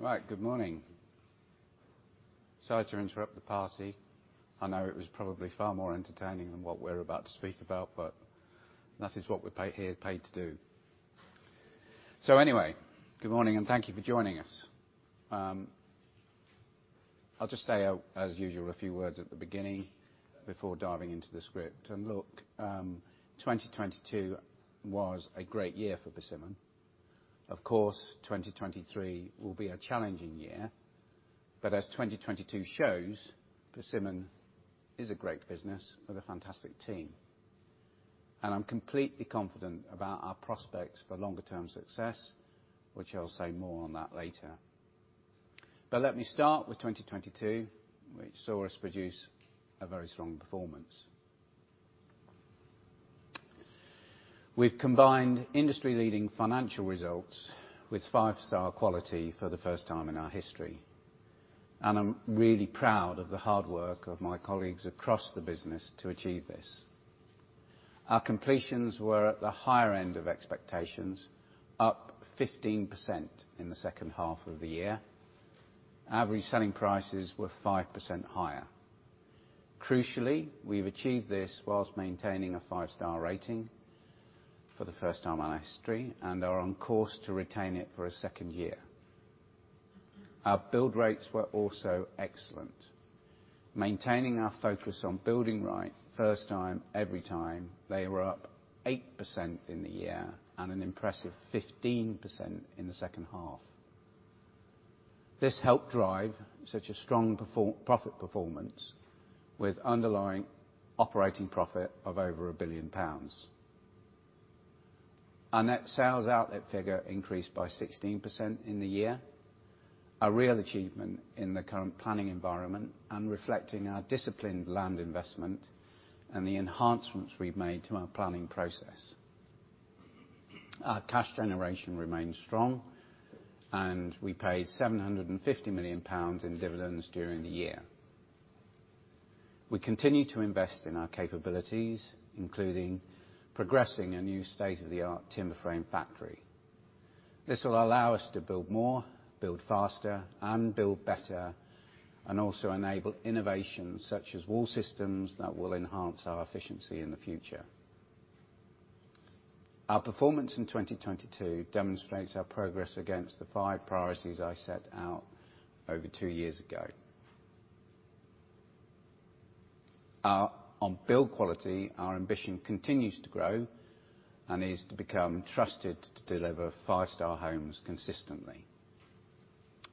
All right. Good morning. Sorry to interrupt the party. I know it was probably far more entertaining than what we're about to speak about, but that is what we're paid here, paid to do. Anyway, good morning, and thank you for joining us. I'll just say, as usual, a few words at the beginning before diving into the script. Look, 2022 was a great year for Persimmon. Of course, 2023 will be a challenging year, but as 2022 shows, Persimmon is a great business with a fantastic team, and I'm completely confident about our prospects for longer term success, which I'll say more on that later. Let me start with 2022, which saw us produce a very strong performance. We've combined industry-leading financial results with five-star quality for the first time in our history, I'm really proud of the hard work of my colleagues across the business to achieve this. Our completions were at the higher end of expectations, up 15% in the second half of the year. Average selling prices were 5% higher. Crucially, we've achieved this whilst maintaining a five-star rating for the first time in our history, and are on course to retain it for a second year. Our build rates were also excellent. Maintaining our focus on building right first time, every time, they were up 80% in the year and an impressive 15% in the second half. This helped drive such a strong profit performance with underlying operating profit of over 1 billion pounds. Our net sales outlet figure increased by 16% in the year, a real achievement in the current planning environment and reflecting our disciplined land investment and the enhancements we've made to our planning process. Our cash generation remains strong, and we paid 750 million pounds in dividends during the year. We continue to invest in our capabilities, including progressing a new state-of-the-art timber frame factory. This will allow us to build more, build faster, and build better, and also enable innovations such as wall systems that will enhance our efficiency in the future. Our performance in 2022 demonstrates our progress against the five priorities I set out over two years ago. On build quality, our ambition continues to grow and is to become trusted to deliver five-star homes consistently.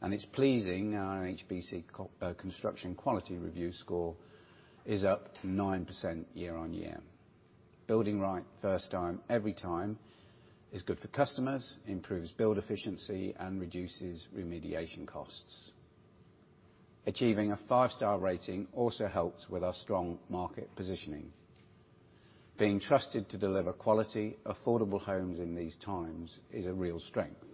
It's pleasing our NHBC Construction Quality Review score is up 9% year-on-year. Building right, first time, every time is good for customers, improves build efficiency, and reduces remediation costs. Achieving a five-star rating also helps with our strong market positioning. Being trusted to deliver quality, affordable homes in these times is a real strength,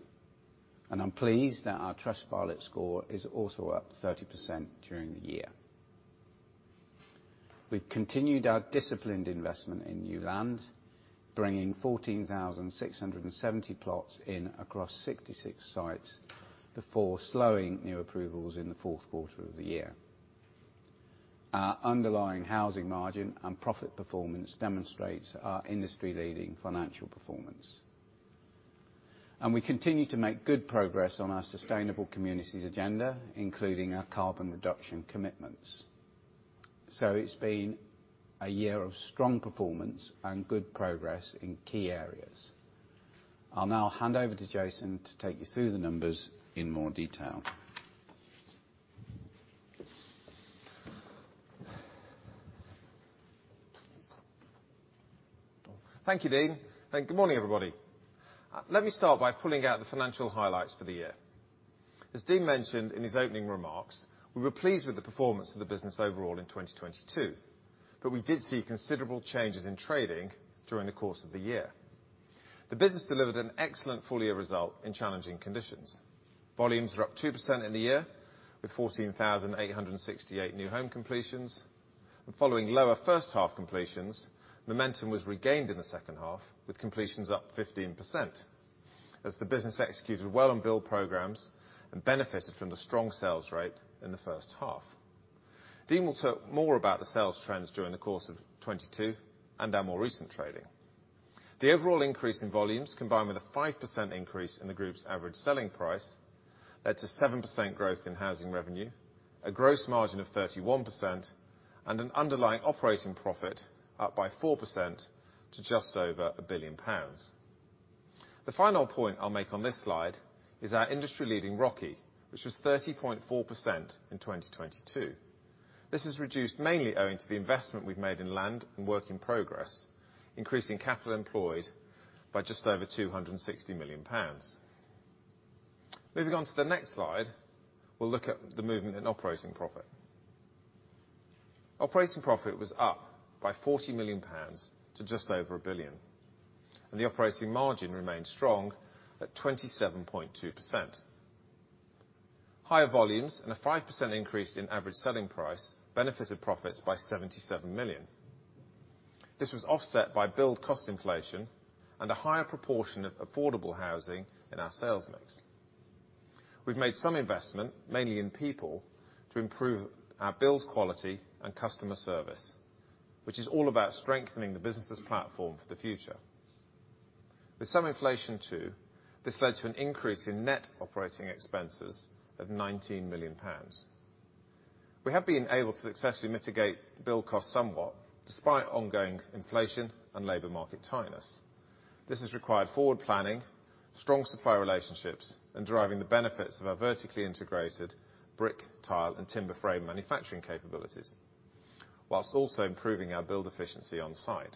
and I'm pleased that our Trustpilot score is also up 30% during the year. We've continued our disciplined investment in new land, bringing 14,670 plots in across 66 sites before slowing new approvals in the fourth quarter of the year. Our underlying housing margin and profit performance demonstrates our industry-leading financial performance. We continue to make good progress on our sustainable communities agenda, including our carbon reduction commitments. It's been a year of strong performance and good progress in key areas. I'll now hand over to Jason to take you through the numbers in more detail. Thank you, Dean. Good morning, everybody. Let me start by pulling out the financial highlights for the year. As Dean mentioned in his opening remarks, we were pleased with the performance of the business overall in 2022, but we did see considerable changes in trading during the course of the year. The business delivered an excellent full year result in challenging conditions. Volumes were up 2% in the year, with 14,868 new home completions. Following lower first half completions, momentum was regained in the second half, with completions up 15% as the business executed well on build programs and benefited from the strong sales rate in the first half. Dean will talk more about the sales trends during the course of 2022 and our more recent trading. The overall increase in volumes, combined with a 5% increase in the group's average selling price, led to 7% growth in housing revenue, a gross margin of 31%, and an underlying operating profit up by 4% to just over 1 billion pounds. The final point I'll make on this slide is our industry-leading ROCE, which was 30.4% in 2022. This has reduced mainly owing to the investment we've made in land and work in progress, increasing capital employed by just over 260 million pounds. Moving on to the next slide, we'll look at the movement in operating profit. Operating profit was up by 40 million pounds to just over 1 billion, and the operating margin remained strong at 27.2%. Higher volumes and a 5% increase in average selling price benefited profits by 77 million. This was offset by build cost inflation and a higher proportion of affordable housing in our sales mix. We've made some investment, mainly in people, to improve our build quality and customer service, which is all about strengthening the business's platform for the future. With some inflation too, this led to an increase in net operating expenses of 19 million pounds. We have been able to successfully mitigate build cost somewhat despite ongoing inflation and labor market tightness. This has required forward planning, strong supplier relationships, and deriving the benefits of our vertically integrated brick, tile, and timber frame manufacturing capabilities, whilst also improving our build efficiency on site.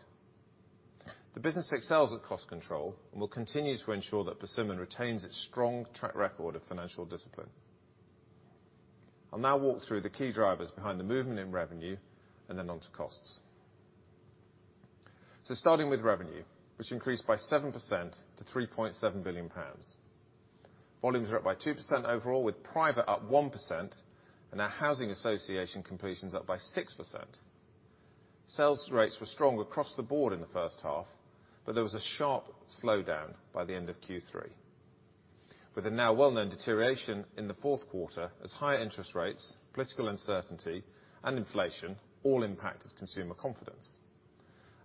The business excels at cost control and will continue to ensure that Persimmon retains its strong track record of financial discipline. I'll now walk through the key drivers behind the movement in revenue and then on to costs. Starting with revenue, which increased by 7% to 3.7 billion pounds. Volumes are up by 2% overall, with private up 1% and our housing association completions up by 6%. Sales rates were strong across the board in the first half, but there was a sharp slowdown by the end of Q3. With a now well-known deterioration in the fourth quarter as higher interest rates, political uncertainty, and inflation all impacted consumer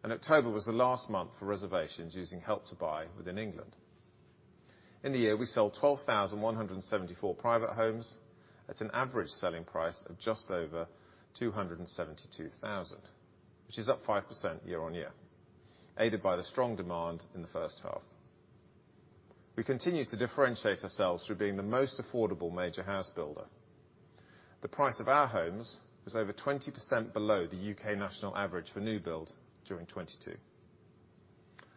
confidence. October was the last month for reservations using Help to Buy within England. In the year, we sold 12,174 private homes at an average selling price of just over 272,000, which is up 5% year-on-year, aided by the strong demand in the first half. We continue to differentiate ourselves through being the most affordable major housebuilder. The price of our homes was over 20% below the UK national average for new build during 2022.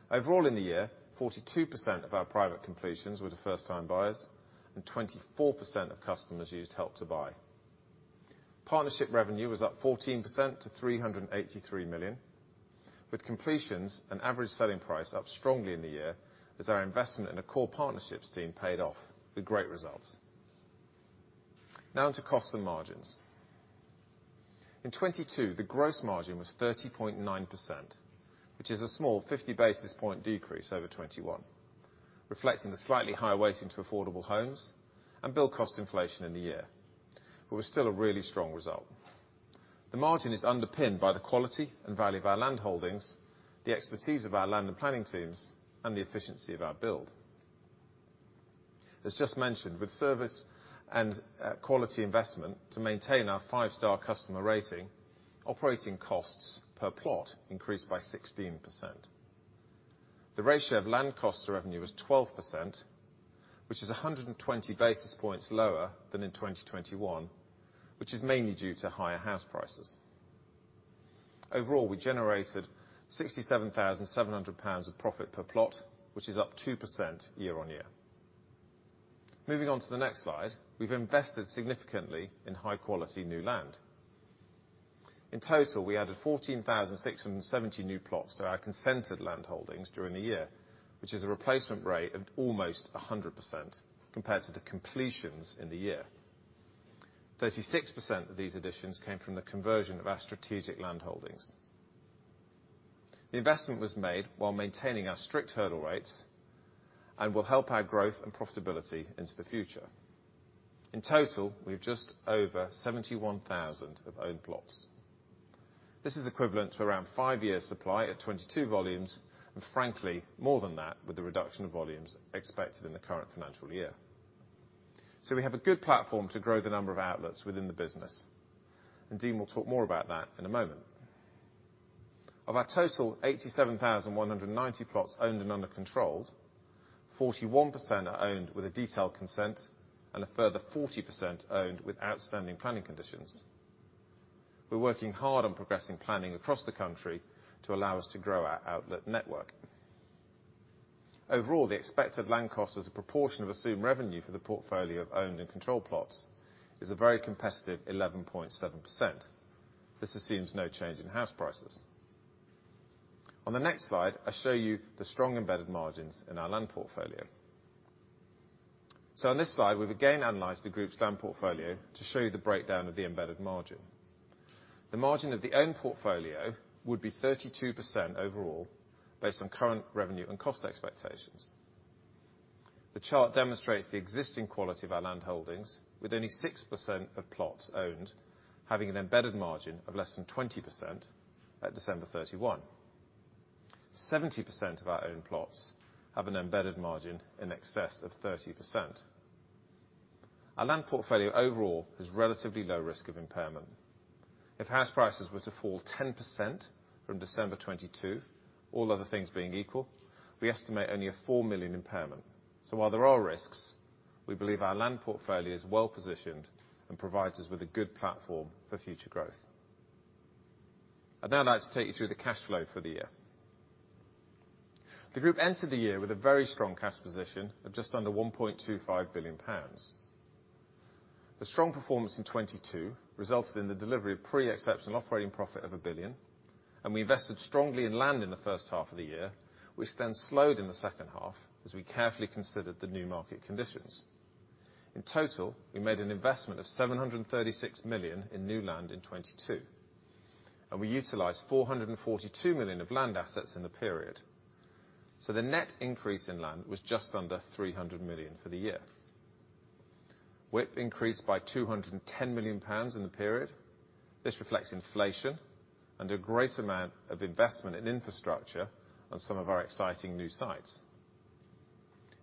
Overall in the year, 42% of our private completions were to first-time buyers. 24% of customers used Help to Buy. Partnership revenue was up 14% to 383 million, with completions and average selling price up strongly in the year as our investment in a core partnerships team paid off with great results. On to cost and margins. In 2022, the gross margin was 30.9%, which is a small 50 basis point decrease over 2021, reflecting the slightly higher weighting to affordable homes and build cost inflation in the year, but was still a really strong result. The margin is underpinned by the quality and value of our land holdings, the expertise of our land and planning teams, and the efficiency of our build. As just mentioned, with service and quality investment to maintain our five-star customer rating, operating costs per plot increased by 16%. The ratio of land cost to revenue was 12%, which is 120 basis points lower than in 2021, which is mainly due to higher house prices. Overall, we generated 67,700 pounds of profit per plot, which is up 2% year-over-year. Moving on to the next slide, we've invested significantly in high-quality new land. In total, we added 14,670 new plots to our consented landholdings during the year, which is a replacement rate of almost 100% compared to the completions in the year. 36% of these additions came from the conversion of our strategic landholdings. The investment was made while maintaining our strict hurdle rates and will help our growth and profitability into the future. In total, we have just over 71,000 of owned plots. This is equivalent to around 5 years' supply at 2022 volumes, and frankly, more than that with the reduction of volumes expected in the current financial year. We have a good platform to grow the number of outlets within the business, and Dean will talk more about that in a moment. Of our total 87,190 plots owned and under controlled, 41% are owned with a detailed consent and a further 40% owned with outstanding planning conditions. We're working hard on progressing planning across the country to allow us to grow our outlet network. The expected land cost as a proportion of assumed revenue for the portfolio of owned and controlled plots is a very competitive 11.7%. This assumes no change in house prices. On the next slide, I show you the strong embedded margins in our land portfolio. On this slide, we've again analyzed the group's land portfolio to show you the breakdown of the embedded margin. The margin of the owned portfolio would be 32% overall based on current revenue and cost expectations. The chart demonstrates the existing quality of our land holdings, with only 6% of plots owned having an embedded margin of less than 20% at December 31. 70% of our owned plots have an embedded margin in excess of 30%. Our land portfolio overall has relatively low risk of impairment. If house prices were to fall 10% from December 2022, all other things being equal, we estimate only a 4 million impairment. While there are risks, we believe our land portfolio is well positioned and provides us with a good platform for future growth. I'd now like to take you through the cash flow for the year. The group entered the year with a very strong cash position of just under 1.25 billion pounds. The strong performance in 2022 resulted in the delivery of pre-exceptional operating profit of 1 billion. We invested strongly in land in the first half of the year, which then slowed in the second half as we carefully considered the new market conditions. In total, we made an investment of 736 million in new land in 2022. We utilized 442 million of land assets in the period. The net increase in land was just under 300 million for the year. WIP increased by 210 million pounds in the period. This reflects inflation and a great amount of investment in infrastructure on some of our exciting new sites.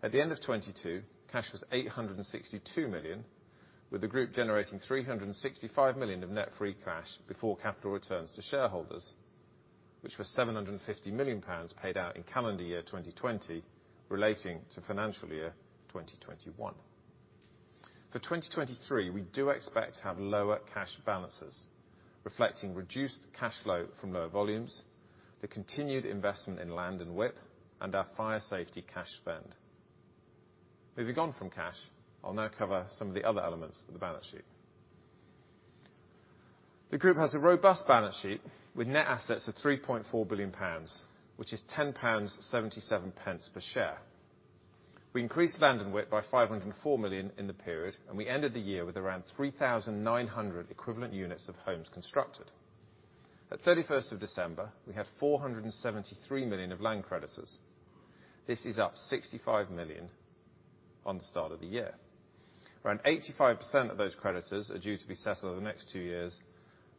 At the end of 2022, cash was 862 million, with the group generating 365 million of net free cash before capital returns to shareholders, which was 750 million pounds paid out in calendar year 2020, relating to financial year 2021. For 2023, we do expect to have lower cash balances, reflecting reduced cash flow from lower volumes, the continued investment in land and WIP, and our fire safety cash spend. Moving on from cash, I'll now cover some of the other elements of the balance sheet. The group has a robust balance sheet with net assets of 3.4 billion pounds, which is 10.77 pounds per share. We increased land and WIP by 504 million in the period, and we ended the year with around 3,900 equivalent units of homes constructed. At December 31, we had 473 million of land creditors. This is up 65 million on the start of the year. Around 85% of those creditors are due to be settled over the next 2 years,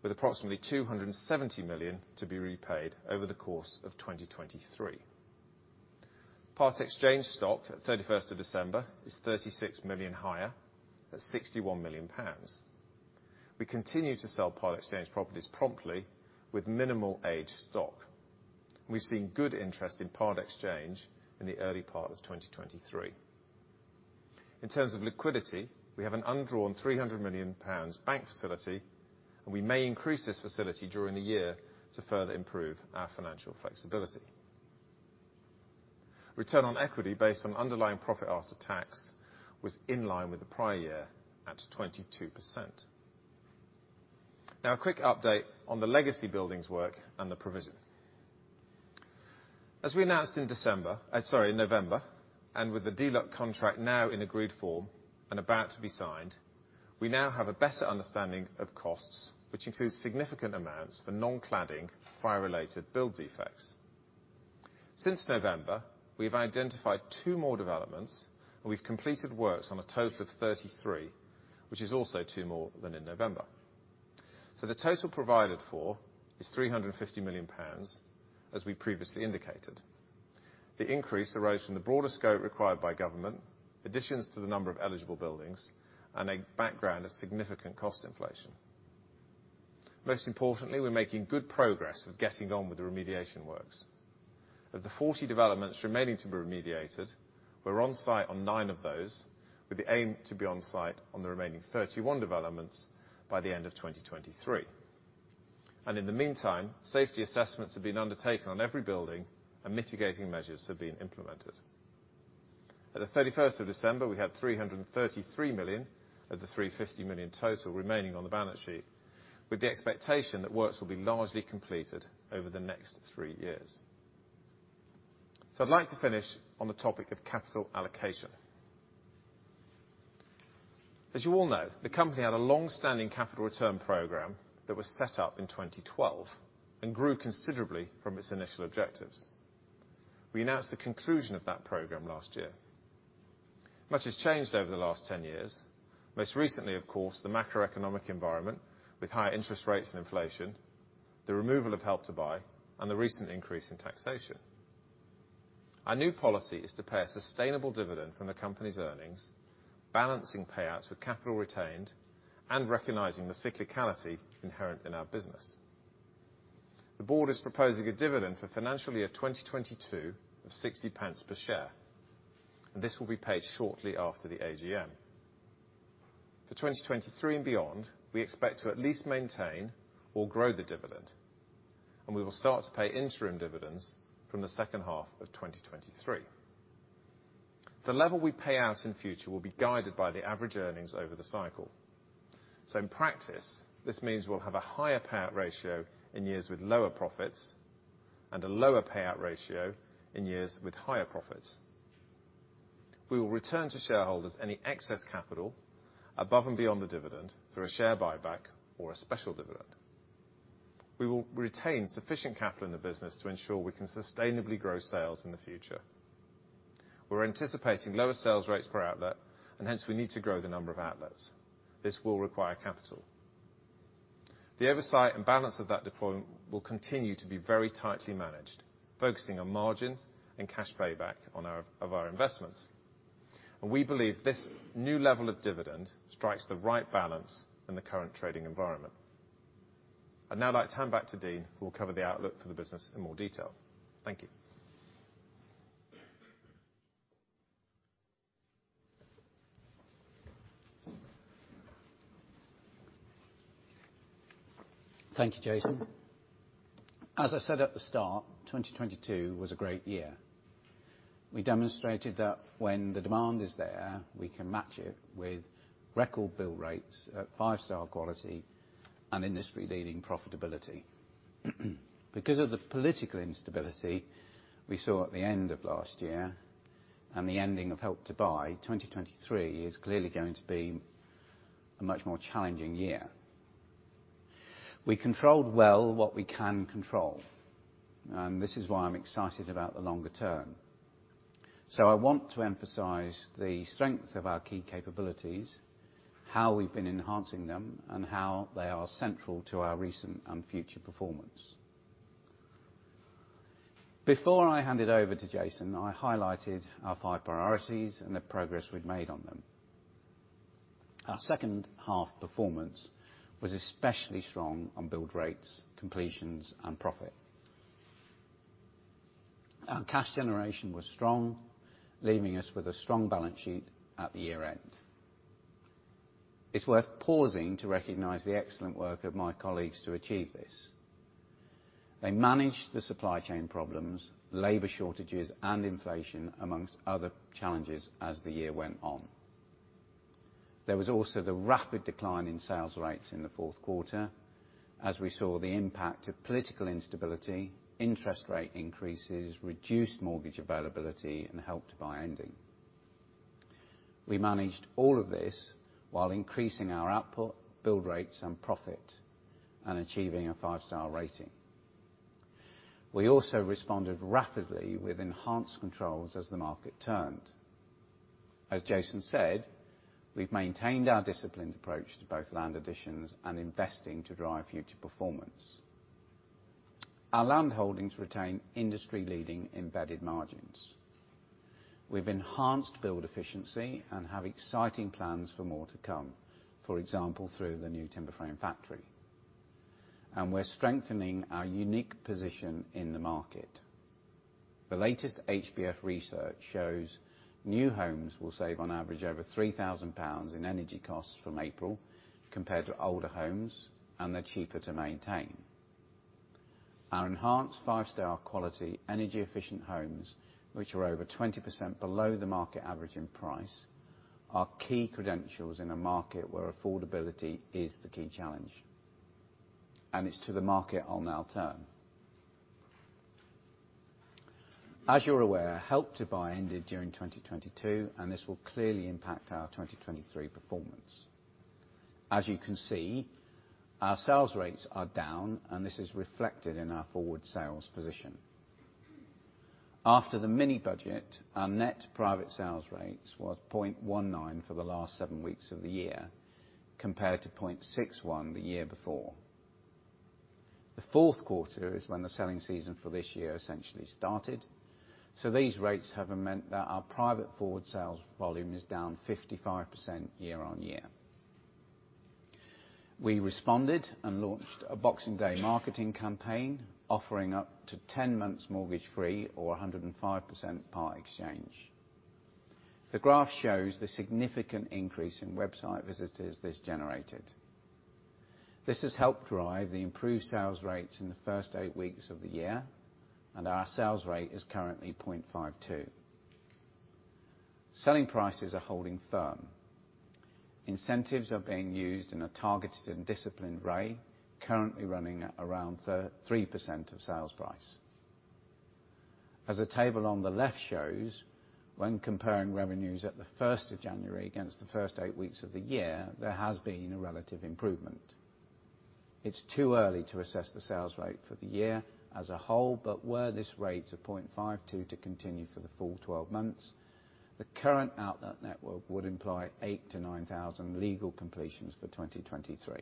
with approximately 270 million to be repaid over the course of 2023. Part-exchange stock at December 31 is 36 million higher at 61 million pounds. We continue to sell Part-Exchange properties promptly with minimal aged stock. We've seen good interest in part exchange in the early part of 2023. In terms of liquidity, we have an undrawn 300 million pounds bank facility, and we may increase this facility during the year to further improve our financial flexibility. Return on equity based on underlying profit after tax was in line with the prior year at 22%. Now, a quick update on the legacy buildings work and the provision. As we announced in December, sorry, November, and with the dilapidations contract now in agreed form and about to be signed, we now have a better understanding of costs, which includes significant amounts for non-cladding fire-related build defects. Since November, we have identified two more developments, and we've completed works on a total of 33, which is also two more than in November. The total provided for is 350 million pounds, as we previously indicated. The increase arose from the broader scope required by government, additions to the number of eligible buildings, and a background of significant cost inflation. Most importantly, we're making good progress with getting on with the remediation works. Of the 40 developments remaining to be remediated, we're on site on nine of those, with the aim to be on site on the remaining 31 developments by the end of 2023. In the meantime, safety assessments have been undertaken on every building and mitigating measures have been implemented. At the 31st of December, we had 333 million of the 350 million total remaining on the balance sheet, with the expectation that works will be largely completed over the next three years. I'd like to finish on the topic of capital allocation. As you all know, the company had a long-standing capital return program that was set up in 2012 and grew considerably from its initial objectives. We announced the conclusion of that program last year. Much has changed over the last 10 years. Most recently, of course, the macroeconomic environment with higher interest rates and inflation, the removal of Help to Buy, and the recent increase in taxation. Our new policy is to pay a sustainable dividend from the company's earnings, balancing payouts with capital retained and recognizing the cyclicality inherent in our business. The board is proposing a dividend for financial year 2022 of 0.60 per share. This will be paid shortly after the AGM. For 2023 and beyond, we expect to at least maintain or grow the dividend. We will start to pay interim dividends from the second half of 2023. The level we pay out in future will be guided by the average earnings over the cycle. In practice, this means we'll have a higher payout ratio in years with lower profits and a lower payout ratio in years with higher profits. We will return to shareholders any excess capital above and beyond the dividend through a share buyback or a special dividend. We will retain sufficient capital in the business to ensure we can sustainably grow sales in the future. We're anticipating lower sales rates per outlet. Hence, we need to grow the number of outlets. This will require capital. The oversight and balance of that deployment will continue to be very tightly managed, focusing on margin and cash payback on our, of our investments. We believe this new level of dividend strikes the right balance in the current trading environment. I'd now like to hand back to Dean, who will cover the outlook for the business in more detail. Thank you. Thank you, Jason. As I said at the start, 2022 was a great year. We demonstrated that when the demand is there, we can match it with record bill rates at five-star quality and industry-leading profitability. Because of the political instability we saw at the end of last year, and the ending of Help to Buy, 2023 is clearly going to be a much more challenging year. We controlled well what we can control. This is why I'm excited about the longer term. I want to emphasize the strength of our key capabilities, how we've been enhancing them, and how they are central to our recent and future performance. Before I hand it over to Jason, I highlighted our five priorities and the progress we'd made on them. Our second half performance was especially strong on build rates, completions, and profit. Our cash generation was strong, leaving us with a strong balance sheet at the year-end. It's worth pausing to recognize the excellent work of my colleagues to achieve this. They managed the supply chain problems, labor shortages, and inflation, amongst other challenges as the year went on. There was also the rapid decline in sales rates in the fourth quarter as we saw the impact of political instability, interest rate increases, reduced mortgage availability, and Help to Buy ending. We managed all of this while increasing our output, build rates and profit and achieving a five-star rating. We also responded rapidly with enhanced controls as the market turned. As Jason said, we've maintained our disciplined approach to both land additions and investing to drive future performance. Our landholdings retain industry-leading embedded margins. We've enhanced build efficiency and have exciting plans for more to come, for example, through the new timber frame factory. We're strengthening our unique position in the market. The latest HBF research shows new homes will save on average over 3,000 pounds in energy costs from April compared to older homes, and they're cheaper to maintain. Our enhanced five-star quality, energy-efficient homes, which are over 20% below the market average in price, are key credentials in a market where affordability is the key challenge. It's to the market I'll now turn. As you're aware, Help to Buy ended during 2022, and this will clearly impact our 2023 performance. As you can see, our sales rates are down, and this is reflected in our forward sales position. After the mini budget, our net private sales rates was 0.19 for the last seven weeks of the year, compared to 0.61 the year before. The fourth quarter is when the selling season for this year essentially started, these rates have meant that our private forward sales volume is down 55% year-on-year. We responded and launched a Boxing Day marketing campaign offering up to 10 months mortgage free or 105% Part Exchange. The graph shows the significant increase in website visitors this generated. This has helped drive the improved sales rates in the first eight weeks of the year, and our sales rate is currently 0.52. Selling prices are holding firm. Incentives are being used in a targeted and disciplined way, currently running at around 3% of sales price. As the table on the left shows, when comparing revenues at the 1st of January against the first 8 weeks of the year, there has been a relative improvement. It's too early to assess the sales rate for the year as a whole, but were this rate of 0.52 to continue for the full 12 months, the current outlet network would imply 8,000-9,000 legal completions for 2023.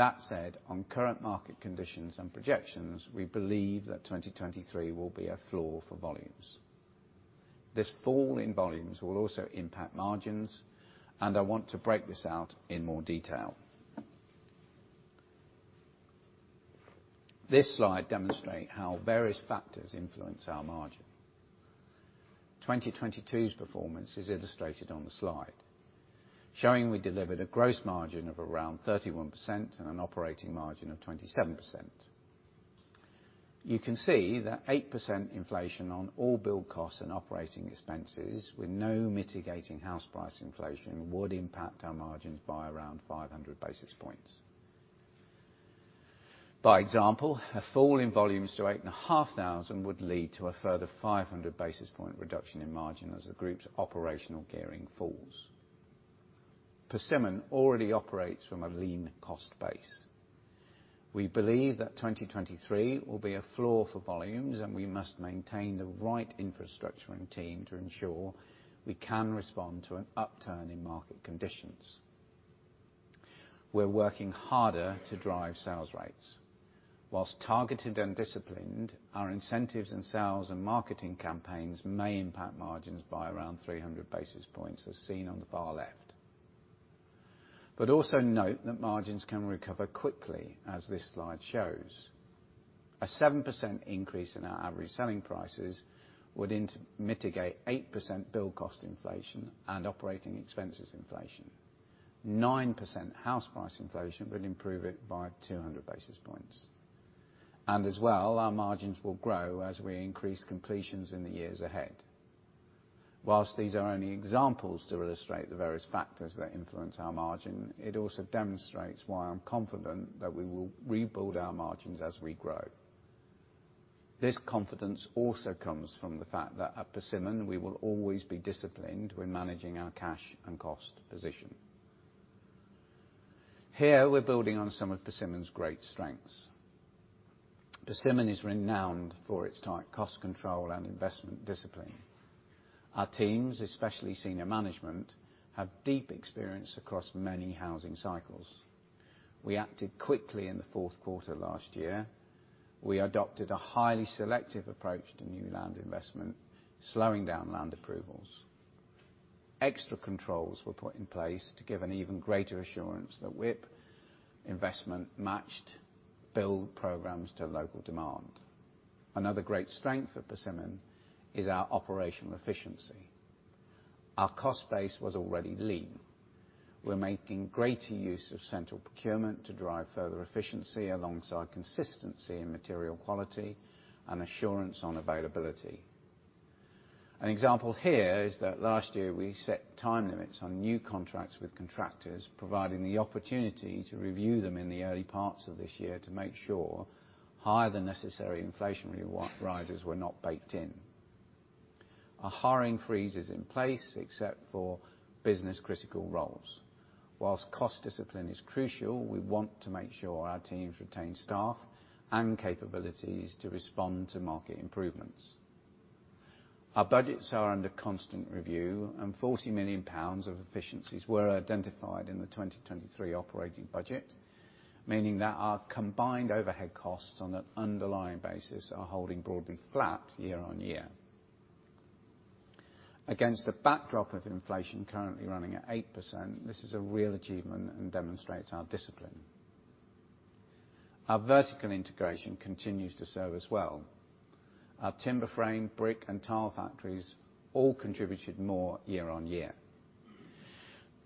That said, on current market conditions and projections, we believe that 2023 will be a floor for volumes. This fall in volumes will also impact margins, and I want to break this out in more detail. This slide demonstrate how various factors influence our margin. 2022's performance is illustrated on the slide, showing we delivered a gross margin of around 31% and an operating margin of 27%. You can see that 8% inflation on all build costs and operating expenses with no mitigating house price inflation would impact our margins by around 500 basis points. By example, a fall in volumes to 8,500 would lead to a further 500 basis point reduction in margin as the group's operational gearing falls. Persimmon already operates from a lean cost base. We believe that 2023 will be a floor for volumes, and we must maintain the right infrastructure and team to ensure we can respond to an upturn in market conditions. We're working harder to drive sales rates. Whilst targeted and disciplined, our incentives in sales and marketing campaigns may impact margins by around 300 basis points, as seen on the far left. Also note that margins can recover quickly, as this slide shows. A 7% increase in our average selling prices would mitigate 8% build cost inflation and operating expenses inflation. 9% house price inflation would improve it by 200 basis points. As well, our margins will grow as we increase completions in the years ahead. While these are only examples to illustrate the various factors that influence our margin, it also demonstrates why I'm confident that we will rebuild our margins as we grow. This confidence also comes from the fact that at Persimmon, we will always be disciplined when managing our cash and cost position. Here, we're building on some of Persimmon's great strengths. Persimmon is renowned for its tight cost control and investment discipline. Our teams, especially senior management, have deep experience across many housing cycles. We acted quickly in the fourth quarter last year. We adopted a highly selective approach to new land investment, slowing down land approvals. Extra controls were put in place to give an even greater assurance that WIP investment matched build programs to local demand. Another great strength of Persimmon is our operational efficiency. Our cost base was already lean. We're making greater use of central procurement to drive further efficiency alongside consistency in material quality and assurance on availability. An example here is that last year we set time limits on new contracts with contractors, providing the opportunity to review them in the early parts of this year to make sure higher than necessary inflationary rises were not baked in. A hiring freeze is in place except for business-critical roles. Whilst cost discipline is crucial, we want to make sure our teams retain staff and capabilities to respond to market improvements. Our budgets are under constant review. 40 million pounds of efficiencies were identified in the 2023 operating budget, meaning that our combined overhead costs on an underlying basis are holding broadly flat year-on-year. Against the backdrop of inflation currently running at 8%, this is a real achievement and demonstrates our discipline. Our vertical integration continues to serve us well. Our timber frame, brick, and tile factories all contributed more year-on-year.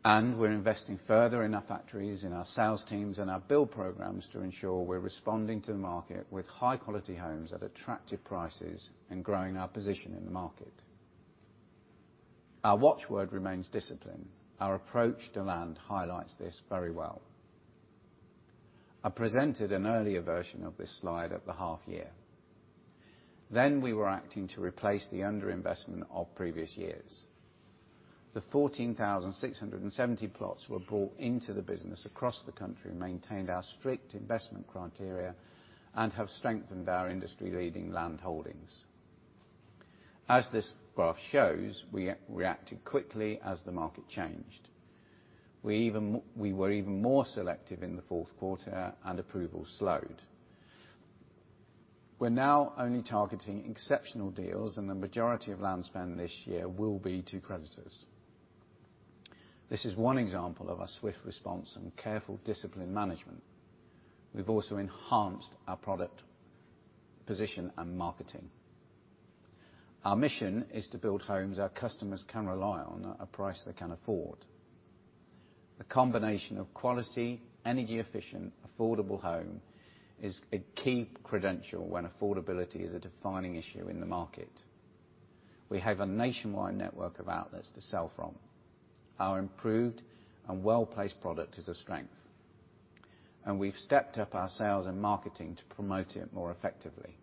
We're investing further in our factories, in our sales teams, and our build programs to ensure we're responding to the market with high-quality homes at attractive prices and growing our position in the market. Our watchword remains discipline. Our approach to land highlights this very well. I presented an earlier version of this slide at the half year. We were acting to replace the underinvestment of previous years. The 14,670 plots were brought into the business across the country, maintained our strict investment criteria, and have strengthened our industry-leading landholdings. As this graph shows, we reacted quickly as the market changed. We were even more selective in the fourth quarter and approvals slowed. We're now only targeting exceptional deals. The majority of land spend this year will be to creditors. This is one example of our swift response and careful discipline management. We've also enhanced our product position and marketing. Our mission is to build homes our customers can rely on at a price they can afford. The combination of quality, energy efficient, affordable home is a key credential when affordability is a defining issue in the market. We have a nationwide network of outlets to sell from. Our improved and well-placed product is a strength. We've stepped up our sales and marketing to promote it more effectively.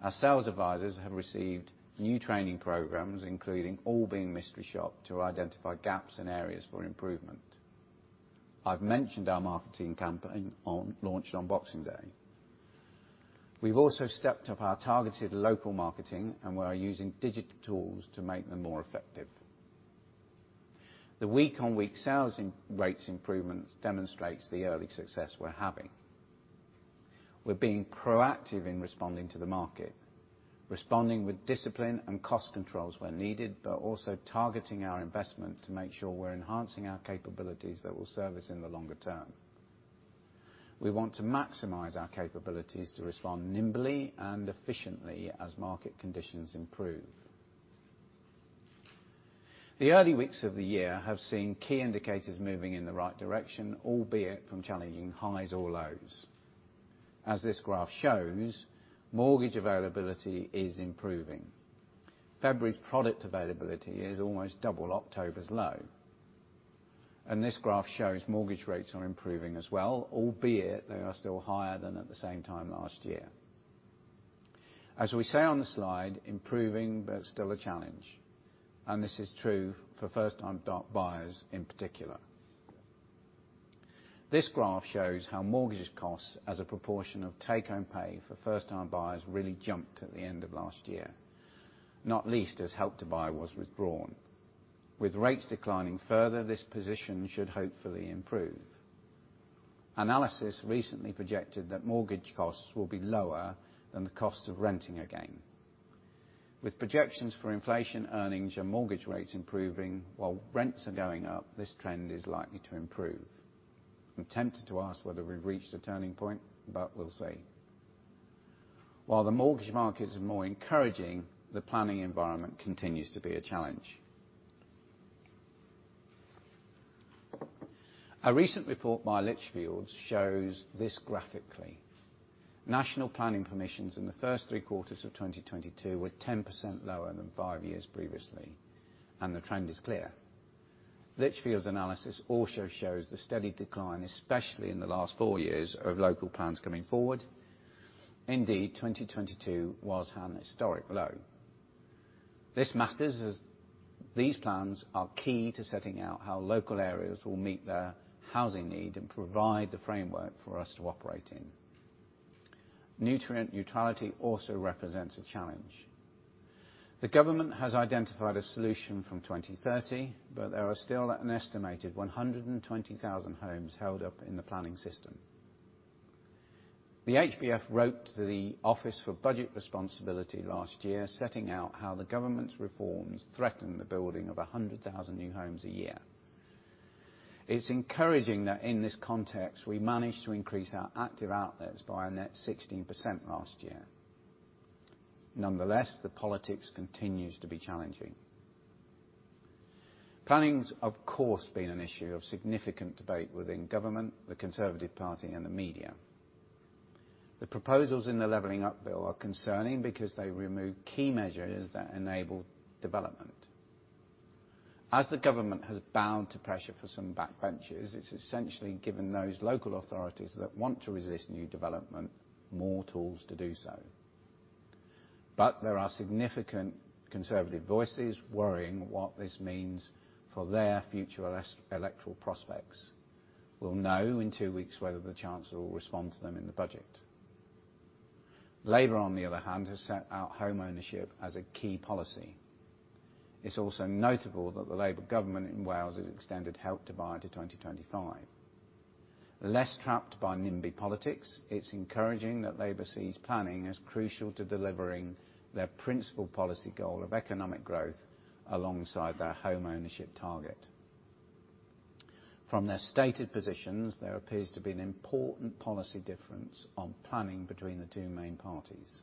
Our sales advisors have received new training programs, including all being mystery shopped to identify gaps and areas for improvement. I've mentioned our marketing campaign launched on Boxing Day. We've also stepped up our targeted local marketing, and we are using digital tools to make them more effective. The week-on-week sales rates improvements demonstrates the early success we're having. We're being proactive in responding to the market, responding with discipline and cost controls where needed, but also targeting our investment to make sure we're enhancing our capabilities that will serve us in the longer term. We want to maximize our capabilities to respond nimbly and efficiently as market conditions improve. The early weeks of the year have seen key indicators moving in the right direction, albeit from challenging highs or lows. As this graph shows, mortgage availability is improving. February's product availability is almost double October's low. This graph shows mortgage rates are improving as well, albeit they are still higher than at the same time last year. As we say on the slide, improving but still a challenge. This is true for first time buyers in particular. This graph shows how mortgages costs as a proportion of take-home pay for first time buyers really jumped at the end of last year, not least as Help to Buy was withdrawn. With rates declining further, this position should hopefully improve. Analysis recently projected that mortgage costs will be lower than the cost of renting again. With projections for inflation earnings and mortgage rates improving while rents are going up, this trend is likely to improve. I'm tempted to ask whether we've reached a turning point, but we'll see. While the mortgage market is more encouraging, the planning environment continues to be a challenge. A recent report by Lichfields shows this graphically. National planning permissions in the first three quarters of 2022 were 10% lower than 5 years previously, and the trend is clear. Lichfields analysis also shows the steady decline, especially in the last 4 years, of local plans coming forward. 2022 was an historic low. This matters as these plans are key to setting out how local areas will meet their housing need and provide the framework for us to operate in. Nutrient Neutrality also represents a challenge. The government has identified a solution from 2030, but there are still an estimated 120,000 homes held up in the planning system. The HBF wrote to the Office for Budget Responsibility last year, setting out how the government's reforms threaten the building of 100,000 new homes a year. It's encouraging that in this context, we managed to increase our active outlets by a net 16% last year. The politics continues to be challenging. Planning's, of course, been an issue of significant debate within government, the Conservative party, and the media. The proposals in the Levelling Up Bill are concerning because they remove key measures that enable development. The government has bowed to pressure for some back benches, it's essentially given those local authorities that want to resist new development more tools to do so. There are significant Conservative voices worrying what this means for their future electoral prospects. We'll know in 2 weeks whether the Chancellor will respond to them in the budget. Labour, on the other hand, has set out home ownership as a key policy. It's also notable that the Labour government in Wales has extended Help to Buy to 2025. Less trapped by NIMBY politics, it's encouraging that Labour sees planning as crucial to delivering their principal policy goal of economic growth alongside their home ownership target. From their stated positions, there appears to be an important policy difference on planning between the two main parties.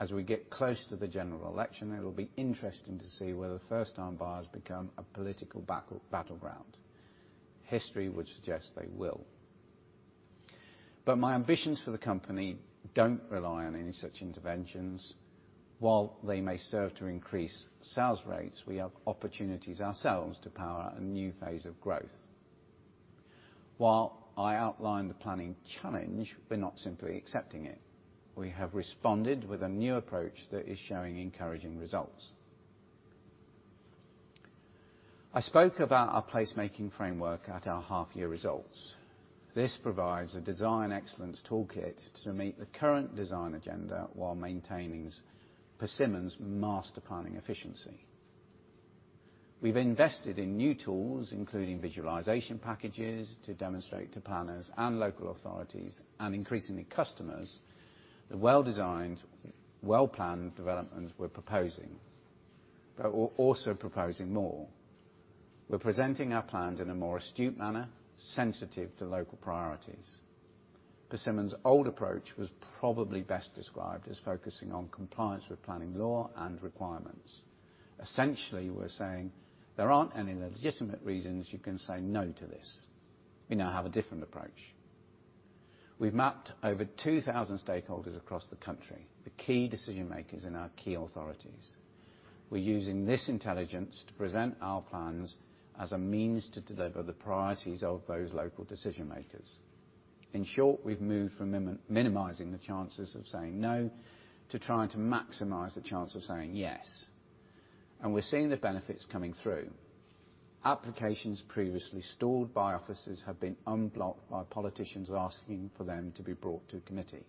As we get close to the general election, it'll be interesting to see whether first-time buyers become a political battleground. History would suggest they will. My ambitions for the company don't rely on any such interventions. While they may serve to increase sales rates, we have opportunities ourselves to power a new phase of growth. While I outlined the planning challenge, we're not simply accepting it. We have responded with a new approach that is showing encouraging results. I spoke about our placemaking framework at our half-year results. This provides a design excellence toolkit to meet the current design agenda while maintaining Persimmon's master planning efficiency. We've invested in new tools, including visualization packages to demonstrate to planners and local authorities, and increasingly customers, the well-designed, well-planned developments we're proposing. We're also proposing more. We're presenting our plans in a more astute manner, sensitive to local priorities. Persimmon's old approach was probably best described as focusing on compliance with planning law and requirements. Essentially, we're saying there aren't any legitimate reasons you can say no to this. We now have a different approach. We've mapped over 2,000 stakeholders across the country, the key decision-makers in our key authorities. We're using this intelligence to present our plans as a means to deliver the priorities of those local decision-makers. In short, we've moved from minimizing the chances of saying no to trying to maximize the chance of saying yes. We're seeing the benefits coming through. Applications previously stalled by offices have been unblocked by politicians asking for them to be brought to committee.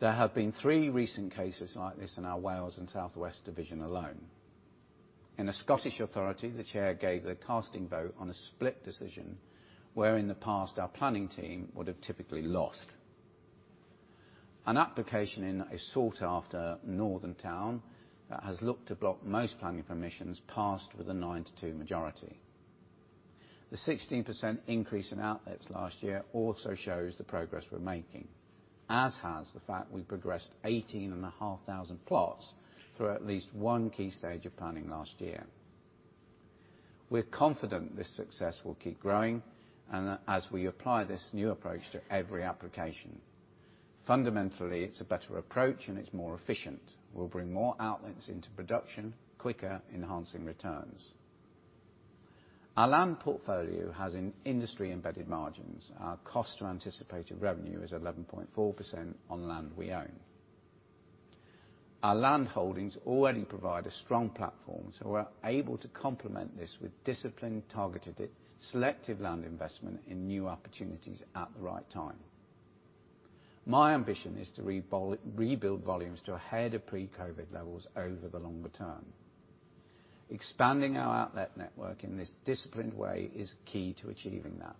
There have been three recent cases like this in our Wales and South West division alone. In a Scottish authority, the chair gave the casting vote on a split decision where in the past, our planning team would have typically lost. An application in a sought after northern town that has looked to block most planning permissions passed with a nine to two majority. The 16% increase in outlets last year also shows the progress we're making, as has the fact we progressed 18,500 plots through at least one key stage of planning last year. As we apply this new approach to every application. Fundamentally, it's a better approach and it's more efficient. We'll bring more outlets into production quicker, enhancing returns. Our land portfolio has in industry-embedded margins. Our cost to anticipated revenue is 11.4% on land we own. Our land holdings already provide a strong platform, we're able to complement this with disciplined, targeted, selective land investment in new opportunities at the right time. My ambition is to rebuild volumes to ahead of pre-COVID levels over the longer term. Expanding our outlet network in this disciplined way is key to achieving that,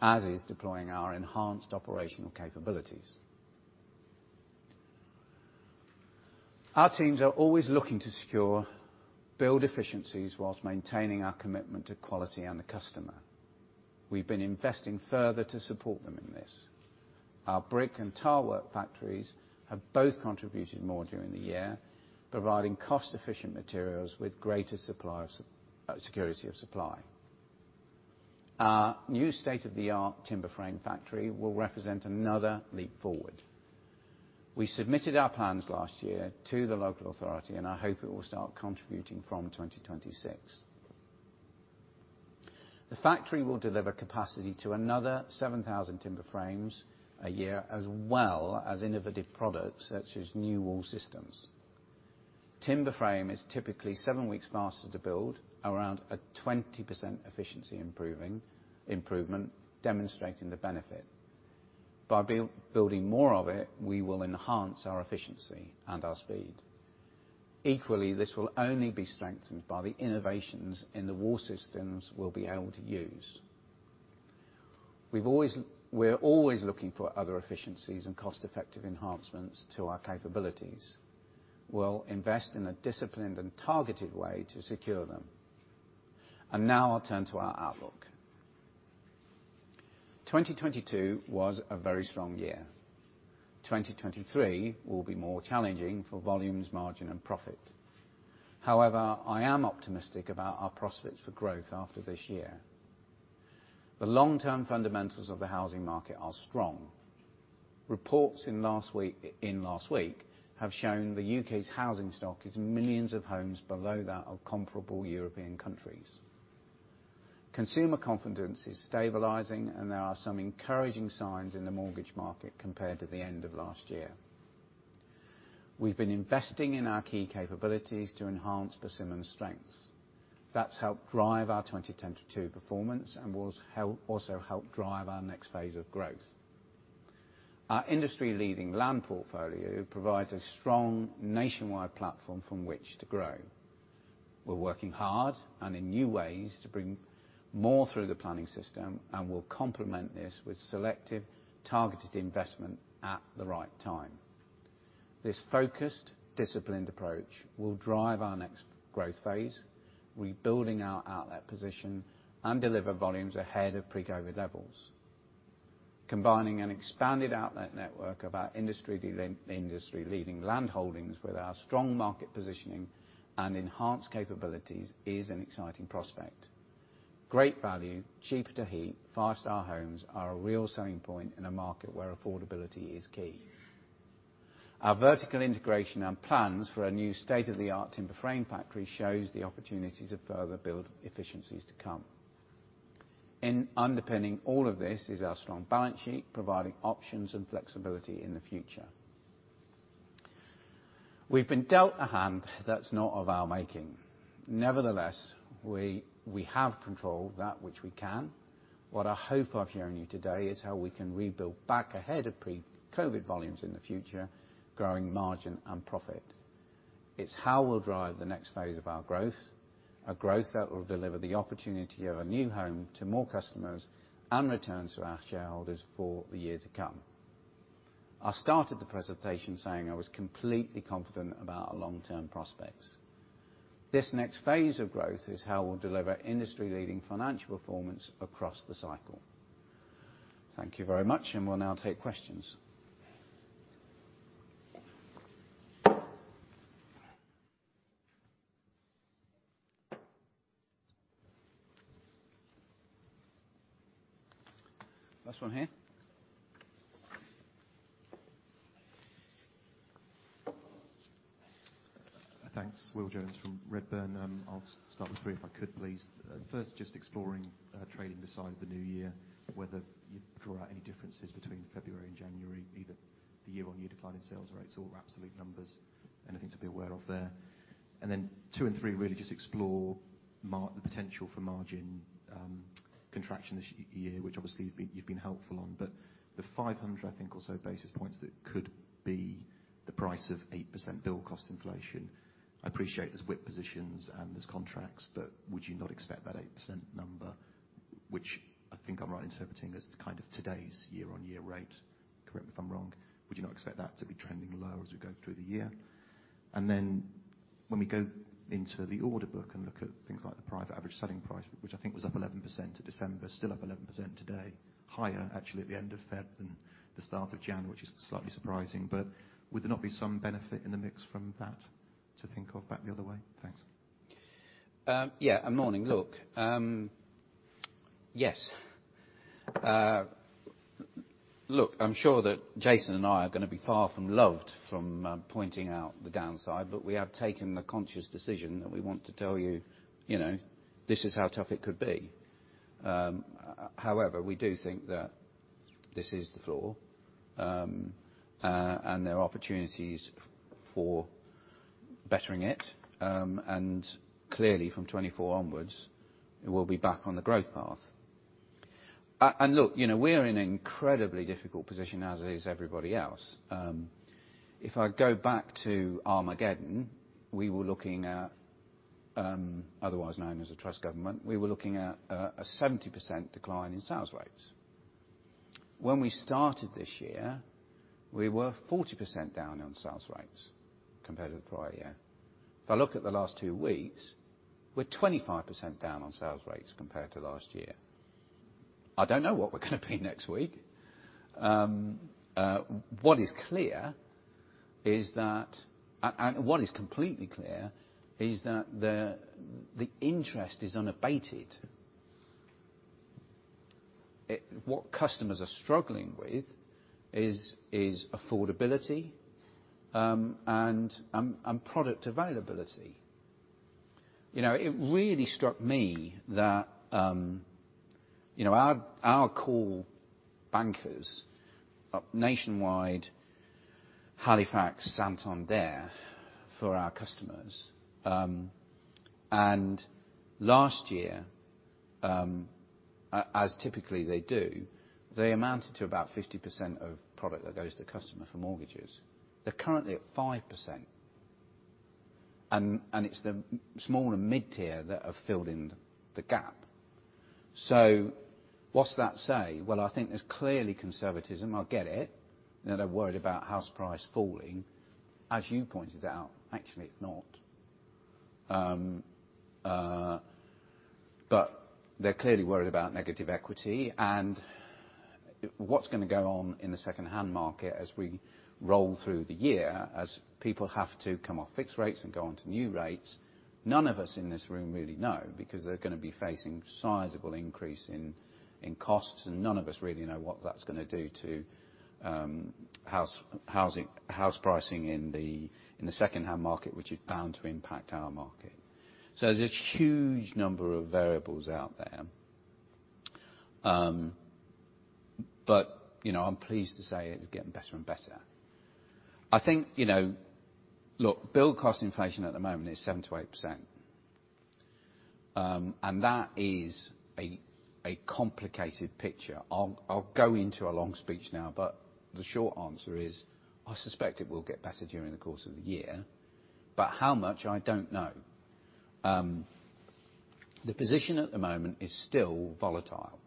as is deploying our enhanced operational capabilities. Our teams are always looking to secure build efficiencies while maintaining our commitment to quality and the customer. We've been investing further to support them in this. Our brick and tile work factories have both contributed more during the year, providing cost efficient materials with greater security of supply. Our new state-of-the-art timber frame factory will represent another leap forward. We submitted our plans last year to the local authority, I hope it will start contributing from 2026. The factory will deliver capacity to another 7,000 timber frames a year, as well as innovative products such as new wall systems. Timber frame is typically seven weeks faster to build, around a 20% efficiency improvement demonstrating the benefit. By building more of it, we will enhance our efficiency and our speed. Equally, this will only be strengthened by the innovations in the wall systems we'll be able to use. We're always looking for other efficiencies and cost-effective enhancements to our capabilities. We'll invest in a disciplined and targeted way to secure them. Now I'll turn to our outlook. 2022 was a very strong year. 2023 will be more challenging for volumes, margin and profit. However, I am optimistic about our prospects for growth after this year. The long-term fundamentals of the housing market are strong. Reports in last week have shown the U.K.'s housing stock is millions of homes below that of comparable European countries. Consumer confidence is stabilizing, and there are some encouraging signs in the mortgage market compared to the end of last year. We've been investing in our key capabilities to enhance Persimmon's strengths. That's helped drive our 2022 performance and also helped drive our next phase of growth. Our industry leading land portfolio provides a strong nationwide platform from which to grow. We're working hard and in new ways to bring more through the planning system, and we'll complement this with selective, targeted investment at the right time. This focused, disciplined approach will drive our next growth phase, rebuilding our outlet position and deliver volumes ahead of pre-COVID levels. Combining an expanded outlet network of our industry leading land holdings with our strong market positioning and enhanced capabilities is an exciting prospect. Great value, cheaper to heat, five-star homes are a real selling point in a market where affordability is key. Our vertical integration and plans for a new state-of-the-art timber frame factory shows the opportunities of further build efficiencies to come. Underpinning all of this is our strong balance sheet, providing options and flexibility in the future. We've been dealt a hand that's not of our making. Nevertheless, we have control of that which we can. What I hope I've shown you today is how we can rebuild back ahead of pre-COVID volumes in the future, growing margin and profit. It's how we'll drive the next phase of our growth, a growth that will deliver the opportunity of a new home to more customers and returns to our shareholders for the years to come. I started the presentation saying I was completely confident about our long-term prospects. This next phase of growth is how we'll deliver industry-leading financial performance across the cycle. Thank you very much, and we'll now take questions. First one here. Thanks. Will Jones from Redburn. I'll start with 3, if I could please. First, just exploring trading beside the new year, whether you draw out any differences between February and January, either the year-on-year decline in sales rates or absolute numbers, anything to be aware of there. Two and 3, really just explore the potential for margin contraction this year, which obviously you've been, you've been helpful on. The 500, I think, or so basis points that could be the price of 8% build cost inflation. I appreciate there's WIP positions and there's contracts, but would you not expect that 8% number, which I think I'm right interpreting as kind of today's year-on-year rate, correct me if I'm wrong. Would you not expect that to be trending lower as we go through the year? When we go into the order book and look at things like the private average selling price, which I think was up 11% to December, still up 11% today, higher actually at the end of February than the start of January, which is slightly surprising, but would there not be some benefit in the mix from that to think of back the other way? Thanks. Yeah. Morning. Look. Yes. Look, I'm sure that Jason and I are gonna be far from loved from pointing out the downside, but we have taken the conscious decision that we want to tell you know, this is how tough it could be. However, we do think that this is the floor, and there are opportunities for bettering it. Clearly from 2024 onwards, we'll be back on the growth path. Look, you know, we're in an incredibly difficult position as is everybody else. If I go back to Armageddon, we were looking at otherwise known as the Truss government. We were looking at a 70% decline in sales rates. When we started this year, we were 40% down on sales rates compared to the prior year. If I look at the last two weeks, we're 25% down on sales rates compared to last year. I don't know what we're gonna be next week. What is clear is that, and what is completely clear is that the interest is unabated. What customers are struggling with is affordability, and product availability. You know, it really struck me that, you know, our core bankers up Nationwide, Halifax, Santander, for our customers, and last year, as typically they do, they amounted to about 50% of product that goes to customer for mortgages. They're currently at 5%. It's the small and mid tier that have filled in the gap. What's that say? Well, I think there's clearly conservatism. I'll get it, you know, they're worried about house price falling. As you pointed out, actually it's not. They're clearly worried about negative equity and what's gonna go on in the secondhand market as we roll through the year, as people have to come off fixed rates and go on to new rates. None of us in this room really know because they're gonna be facing sizable increase in costs, and none of us really know what that's gonna do to house pricing in the secondhand market, which is bound to impact our market. There's a huge number of variables out there. You know, I'm pleased to say it's getting better and better. I think, you know, look, build cost inflation at the moment is 7%-8%. That is a complicated picture. I'll go into a long speech now. The short answer is, I suspect it will get better during the course of the year. How much? I don't know. The position at the moment is still volatile.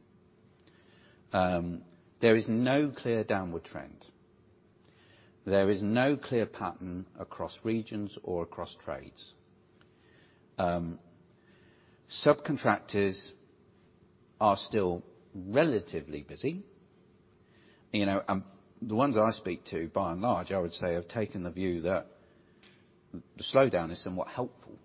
There is no clear downward trend. There is no clear pattern across regions or across trades. Subcontractors are still relatively busy. You know, the ones that I speak to, by and large, I would say, have taken the view that the slowdown is somewhat helpful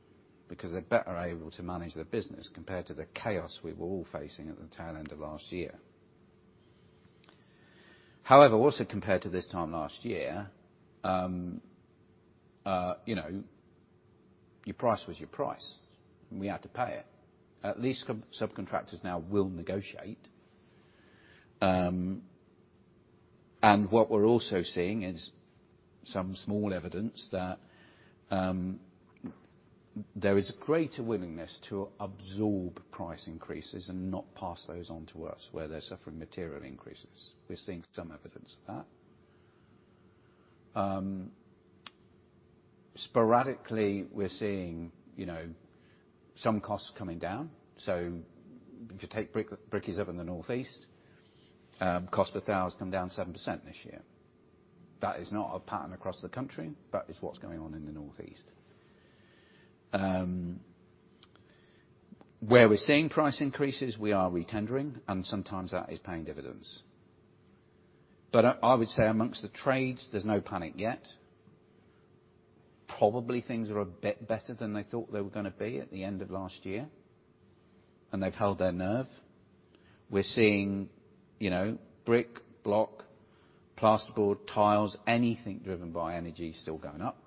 because they're better able to manage their business compared to the chaos we were all facing at the tail end of last year. However, also compared to this time last year, you know, your price was your price, and we had to pay it. At least sub-subcontractors now will negotiate. What we're also seeing is some small evidence that there is a greater willingness to absorb price increases and not pass those on to us where they're suffering material increases. We're seeing some evidence of that. Sporadically, we're seeing, you know, some costs coming down. If you take brick, brickies up in the Northeast, cost of tile has come down 7% this year. That is not a pattern across the country, but it's what's going on in the Northeast. Where we're seeing price increases, we are retendering, and sometimes that is paying dividends. I would say amongst the trades, there's no panic yet. Probably things are a bit better than they thought they were gonna be at the end of last year, and they've held their nerve. We're seeing, you know, brick, block, plasterboard, tiles, anything driven by energy still going up.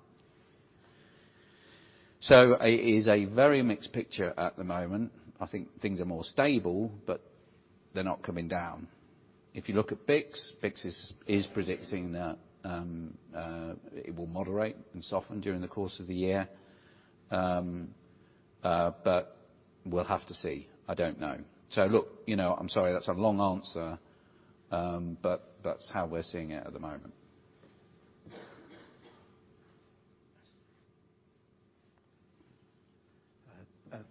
It is a very mixed picture at the moment. I think things are more stable, but they're not coming down. If you look at BCIS is predicting that it will moderate and soften during the course of the year. We'll have to see. I don't know. Look, you know, I'm sorry, that's a long answer, but that's how we're seeing it at the moment.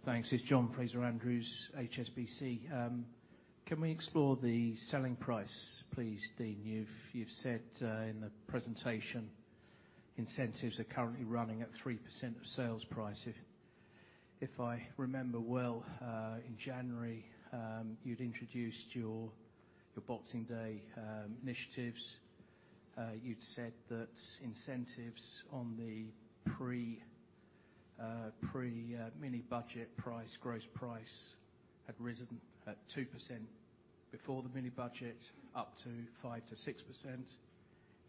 Thanks. It's John Fraser-Andrews, HSBC. Can we explore the selling price, please, Dean? You've said, in the presentation, incentives are currently running at 3% of sales price. If I remember well, in January, you'd introduced your Boxing Day initiatives. You'd said that incentives on the pre mini budget price, gross price had risen at 2% before the mini budget, up to 5%-6%, if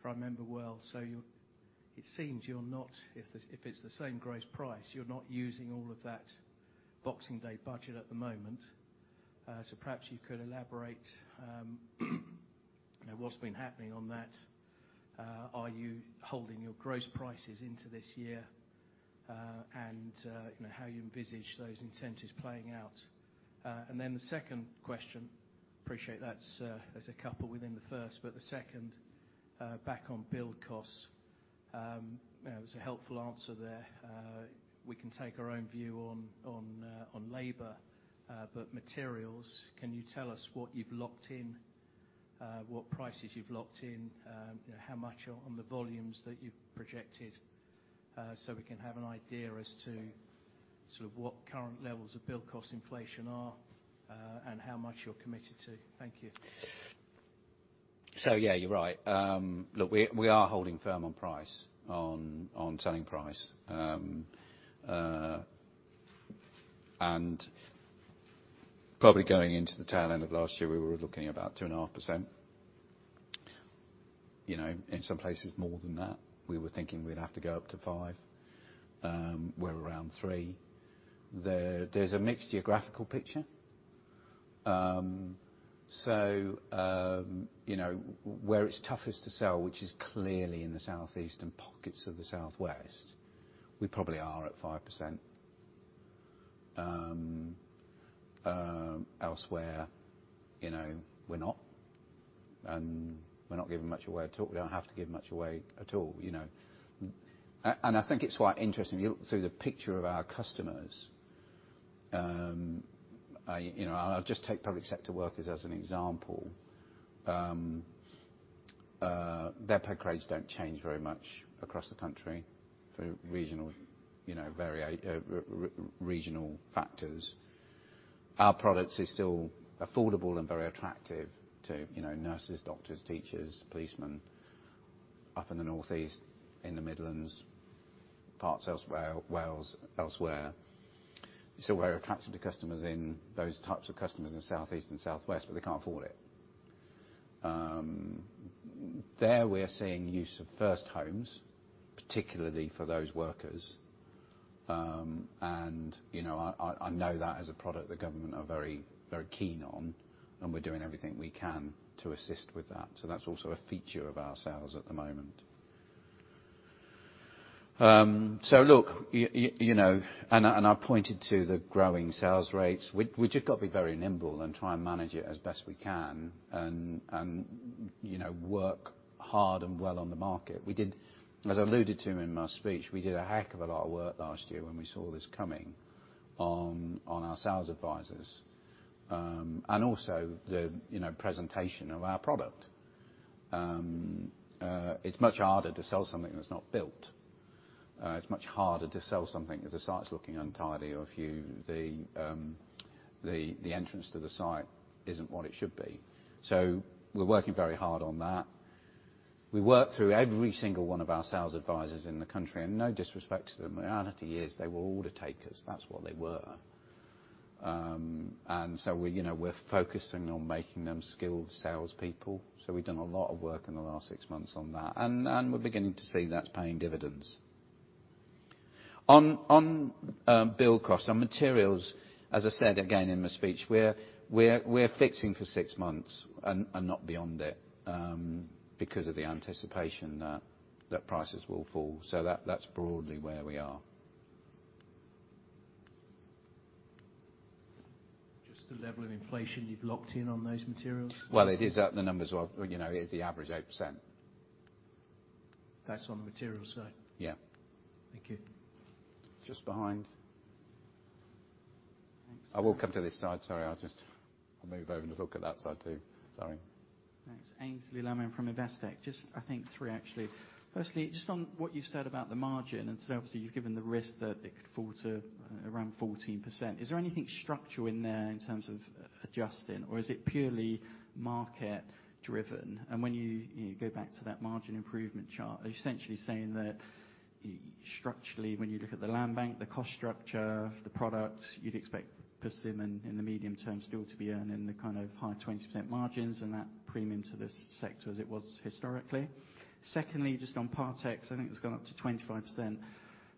I remember well. It seems you're not, if it's the same gross price, you're not using all of that Boxing Day budget at the moment. Perhaps you could elaborate, you know, what's been happening on that. Are you holding your gross prices into this year? You know, how you envisage those incentives playing out. The second question, appreciate that's there's a couple within the first, the second back on build costs. That was a helpful answer there. We can take our own view on labor, but materials, can you tell us what you've locked in, what prices you've locked in, how much on the volumes that you've projected, so we can have an idea as to sort of what current levels of build cost inflation are, and how much you're committed to? Thank you. Yeah, you're right. Look, we are holding firm on price, on selling price. Probably going into the tail end of last year, we were looking about 2.5%. You know, in some places more than that. We were thinking we'd have to go up to five, we're around three. There's a mixed geographical picture. You know, where it's toughest to sell, which is clearly in the southeast and pockets of the southwest, we probably are at 5%. Elsewhere, you know, we're not, we're not giving much away at all. We don't have to give much away at all, you know. And I think it's quite interesting, through the picture of our customers, you know, I'll just take public sector workers as an example. Their pay grades don't change very much across the country for regional, you know, regional factors. Our product is still affordable and very attractive to, you know, nurses, doctors, teachers, policemen up in the northeast, in the Midlands, parts elsewhere, Wales, elsewhere. We're attractive to customers in those types of customers in the southeast and southwest, but they can't afford it. There, we are seeing use of First Homes, particularly for those workers. You know, I know that as a product, the government are very, very keen on, and we're doing everything we can to assist with that. That's also a feature of our sales at the moment. Look, you know, and I pointed to the growing sales rates. We just got to be very nimble and try and manage it as best we can and, you know, work hard and well on the market. We did, as I alluded to in my speech, we did a heck of a lot of work last year when we saw this coming on our sales advisors. Also the, you know, presentation of our product. It's much harder to sell something that's not built. It's much harder to sell something if the site's looking untidy or if the entrance to the site isn't what it should be. We're working very hard on that. We worked through every single one of our sales advisors in the country, no disrespect to them. The reality is they were order takers. That's what they were. We, you know, we're focusing on making them skilled salespeople. We've done a lot of work in the last six months on that, and we're beginning to see that's paying dividends. On, on build cost, on materials, as I said again in my speech, we're fixing for six months and not beyond it, because of the anticipation that prices will fall. That's broadly where we are. Just the level of inflation you've locked in on those materials? Well, it is up. The numbers are, you know, is the average 8%. That's on the material side? Yeah. Thank you. Just behind. I will come to this side. Sorry, I'll just move over and look at that side, too. Sorry. Thanks. Aynsley Lammin from Investec. Just I think three, actually. Firstly, just on what you said about the margin, obviously you've given the risk that it could fall to around 14%. Is there anything structural in there in terms of adjusting, or is it purely market driven? When you know, go back to that margin improvement chart, are you essentially saying that structurally, when you look at the land bank, the cost structure of the product, you'd expect Persimmon in the medium term still to be earning the kind of high 20% margins and that premium to this sector as it was historically. Secondly, just on Part Exchange, I think it's gone up to 25%.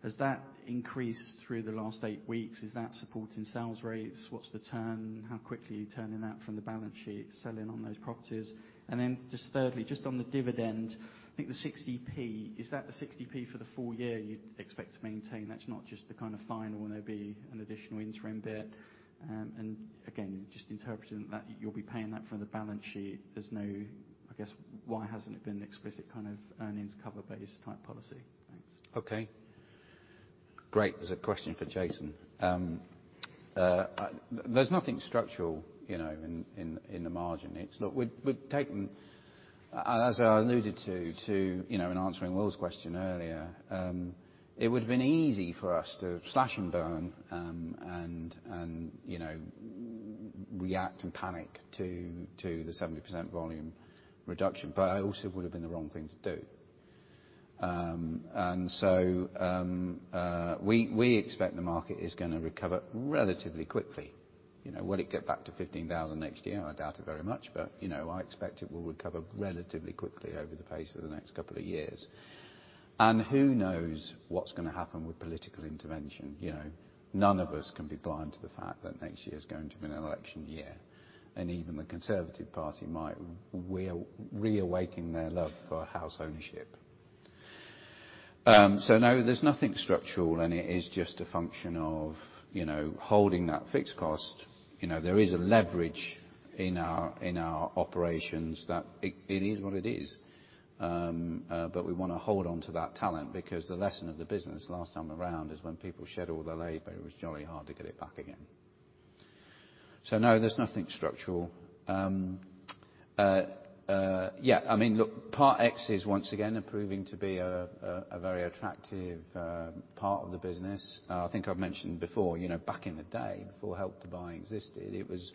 Has that increased through the last eight weeks? Is that supporting sales rates? What's the turn? How quickly are you turning that from the balance sheet, selling on those properties? Then just thirdly, just on the dividend, I think the 0.60, is that the 0.60 for the full year you'd expect to maintain? That's not just the kind of final, and there'll be an additional interim bit. Again, just interpreting that you'll be paying that from the balance sheet. There's no, I guess, why hasn't it been an explicit kind of earnings cover-based type policy? Thanks. Okay. Great. There's a question for Jason. There's nothing structural, you know, in, in the margin. It's look, we've taken, as I alluded to, you know, in answering Will's question earlier, it would have been easy for us to slash and burn, and, you know, react and panic to the 70% volume reduction, but it also would have been the wrong thing to do. We, we expect the market is gonna recover relatively quickly. You know, will it get back to 15,000 next year? I doubt it very much. You know, I expect it will recover relatively quickly over the pace of the next couple of years. Who knows what's gonna happen with political intervention, you know? None of us can be blind to the fact that next year is going to be an election year. Even the Conservative Party might reawaken their love for house ownership. No, there's nothing structural, and it is just a function of, you know, holding that fixed cost. You know, there is a leverage in our operations that it is what it is. We wanna hold onto that talent because the lesson of the business last time around is when people shed all the labor, it was jolly hard to get it back again. No, there's nothing structural. I mean, look, Part Exchange is once again proving to be a very attractive part of the business. I think I've mentioned before, you know, back in the day, before Help to Buy existed, it was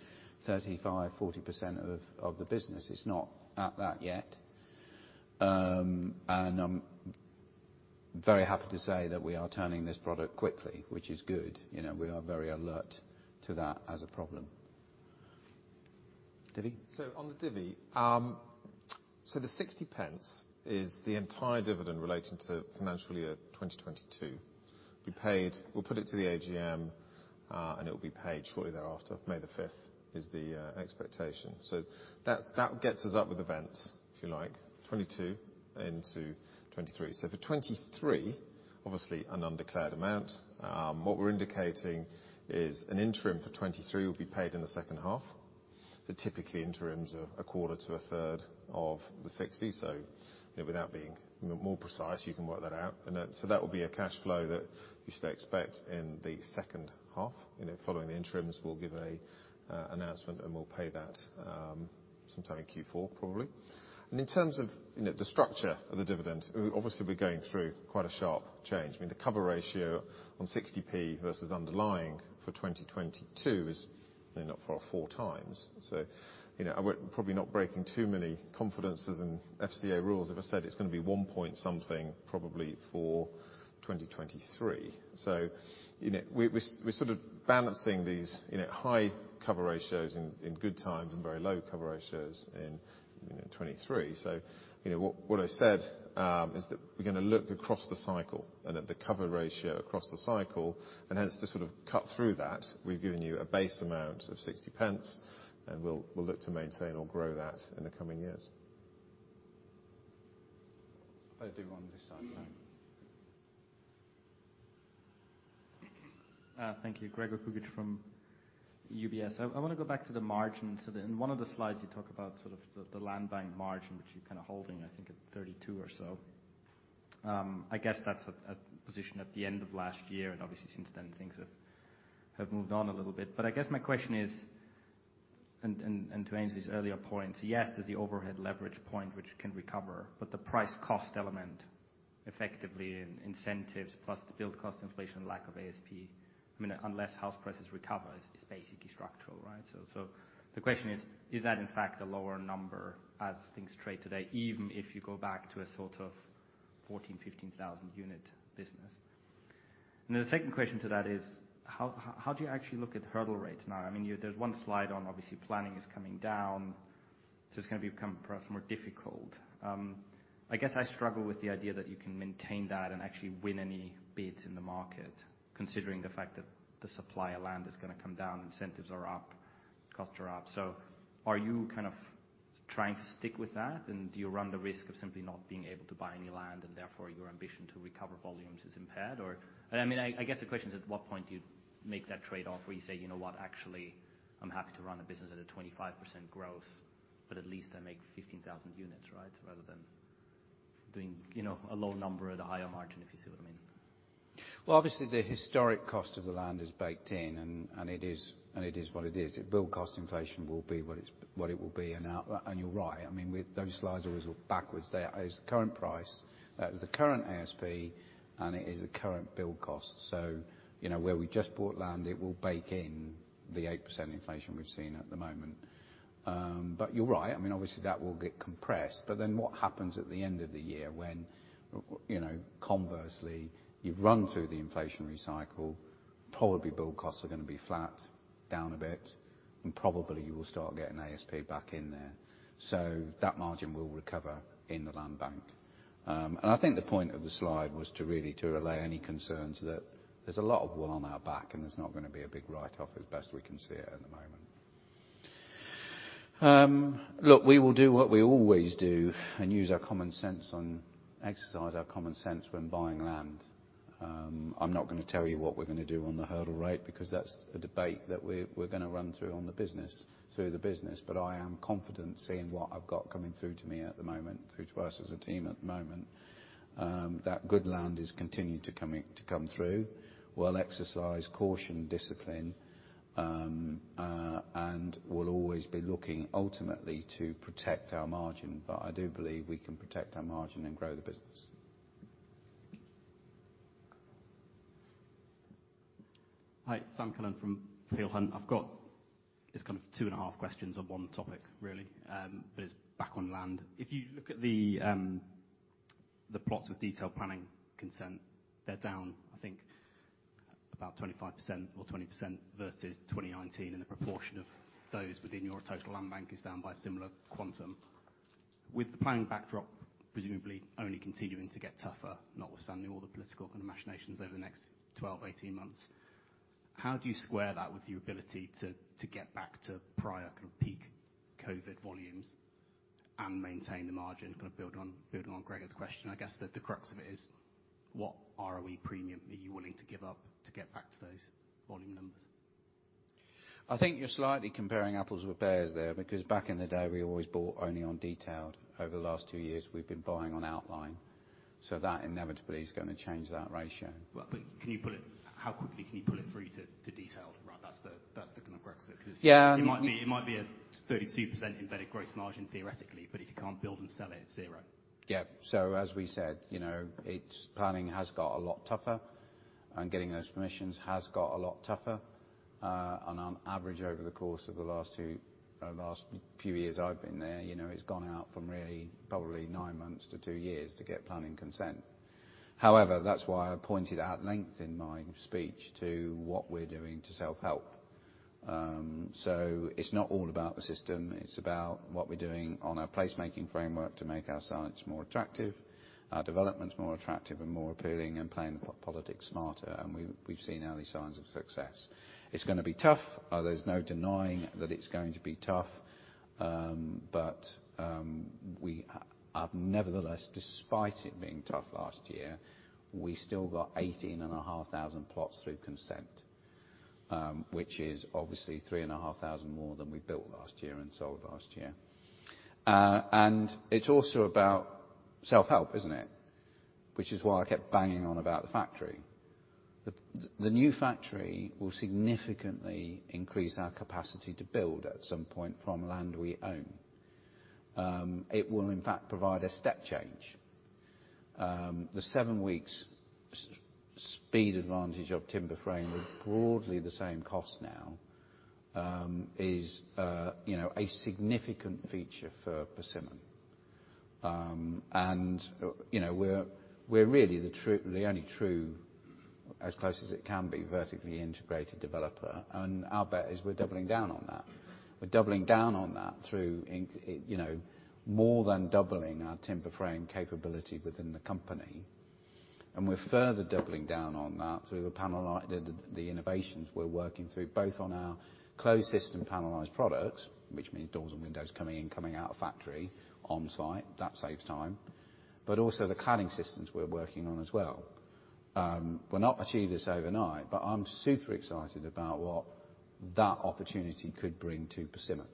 35%-40% of the business. It's not at that yet. I'm very happy to say that we are turning this product quickly, which is good. You know, we are very alert to that as a problem. Divi? On the divi, the 0.60 is the entire dividend relating to financial year 2022. We'll put it to the AGM, and it'll be paid shortly thereafter. May the 5th is the expectation. That, that gets us up with events, if you like, 2022 into 2023. For 2023, obviously an undeclared amount. What we're indicating is an interim for 2023 will be paid in the second half. The typically interims are a quarter to a third of the 0.60. You know, without being more precise, you can work that out. Then, that will be a cash flow that you should expect in the second half. You know, following the interims, we'll give an announcement and we'll pay that sometime in Q4, probably. In terms of, you know, the structure of the dividend, obviously we're going through quite a sharp change. I mean, the cover ratio on 0.60 versus underlying for 2022 is, you know, not far off 4 times. You know, I we're probably not breaking too many confidences and FCA rules if I said it's gonna be 1 point something probably for 2023. You know, we're sort of balancing these, you know, high cover ratios in good times and very low cover ratios in, you know, 2023. You know, what I said is that we're gonna look across the cycle and at the cover ratio across the cycle, and hence to sort of cut through that, we've given you a base amount of 0.60, and we'll look to maintain or grow that in the coming years. I do on this side. Thank you. Gregor Kuglitsch from UBS. I wanna go back to the margins. In one of the slides, you talk about sort of the land bank margin, which you're kind of holding, I think at 32% or so. I guess that's a position at the end of last year, and obviously since then, things have moved on a little bit. I guess my question is, and to Angie's earlier point, yes, there's the overhead leverage point which can recover, but the price cost element effectively in incentives plus the build cost inflation, lack of ASP, I mean, unless house prices recover, is basically structural, right? The question is that in fact a lower number as things trade today, even if you go back to a sort of 14,000-15,000 unit business? The second question to that is how do you actually look at hurdle rates now? I mean, there's one slide on obviously planning is coming down, so it's gonna become perhaps more difficult. I guess I struggle with the idea that you can maintain that and actually win any bids in the market considering the fact that the supply of land is gonna come down, incentives are up, costs are up. Are you kind of trying to stick with that? Do you run the risk of simply not being able to buy any land and therefore your ambition to recover volumes is impaired or... I mean, I guess the question is at what point do you make that trade-off where you say, "You know what? Actually, I'm happy to run a business at a 25% growth, but at least I make 15,000 units, right? Rather than doing, you know, a low number at a higher margin, if you see what I mean. Well, obviously the historic cost of the land is baked in and it is what it is. The build cost inflation will be what it will be. Now, you're right. I mean, with those slides always look backwards. There is the current price. That is the current ASP, and it is the current build cost. You know, where we just bought land, it will bake in the 8% inflation we've seen at the moment. You're right. I mean, obviously that will get compressed. What happens at the end of the year when, you know, conversely, you've run through the inflationary cycle, probably build costs are gonna be flat, down a bit, and probably you will start getting ASP back in there. That margin will recover in the land bank. I think the point of the slide was to really to allay any concerns that there's a lot of wool on our back, and there's not gonna be a big write-off as best we can see it at the moment. Look, we will do what we always do and use our common sense, exercise our common sense when buying land. I'm not gonna tell you what we're gonna do on the hurdle rate because that's a debate that we're gonna run through on the business, through the business. I am confident seeing what I've got coming through to me at the moment, through to us as a team at the moment, that good land is continuing to coming, to come through. We'll exercise caution, discipline, and we'll always be looking ultimately to protect our margin. I do believe we can protect our margin and grow the business. Hi, Sam Cullen from Peel Hunt. I've got, it's kind of two and a half questions on one topic really. But it's back on land. If you look at the plots with detailed planning consent, they're down, I think about 25% or 20% versus 2019, and the proportion of those within your total land bank is down by a similar quantum. With the planning backdrop presumably only continuing to get tougher, notwithstanding all the political kind of machinations over the next 12, 18 months, how do you square that with your ability to get back to prior kind of peak COVID volumes? Maintain the margin. Kind of building on Gregor's question, I guess the crux of it is what ROE premium are you willing to give up to get back to those volume numbers? I think you're slightly comparing apples with pears there, because back in the day, we always bought only on detailed. Over the last two years we've been buying on outline. That inevitably is gonna change that ratio. Well, how quickly can you pull it through to detailed? Right. That's the kind of crux of it. Yeah. Because it might be a 32% embedded gross margin theoretically, but if you can't build and sell it's 0. As we said, you know, planning has got a lot tougher, and getting those permissions has got a lot tougher. On an average over the course of the last 2 or last few years I've been there, you know, it's gone out from really probably 9 months to 2 years to get planning consent. However, that's why I pointed out length in my speech to what we're doing to self-help. It's not all about the system, it's about what we're doing on our placemaking framework to make our sites more attractive, our developments more attractive and more appealing, and playing politics smarter. We've seen early signs of success. It's gonna be tough. There's no denying that it's going to be tough. Nevertheless, despite it being tough last year, we still got 18,500 plots through consent, which is obviously 3,500 more than we built last year and sold last year. It's also about self-help, isn't it? Which is why I kept banging on about the factory. The new factory will significantly increase our capacity to build at some point from land we own. It will in fact provide a step change. The seven weeks speed advantage of timber frame with broadly the same cost now, is, you know, a significant feature for Persimmon. You know, we're really the true, the only true, as close as it can be, vertically integrated developer. Our bet is we're doubling down on that. We're doubling down on that through you know, more than doubling our timber frame capability within the company. We're further doubling down on that through the innovations we're working through, both on our closed system panelized products, which means doors and windows coming in, coming out of factory on site. That saves time. Also the cladding systems we're working on as well. We'll not achieve this overnight, but I'm super excited about what that opportunity could bring to Persimmon.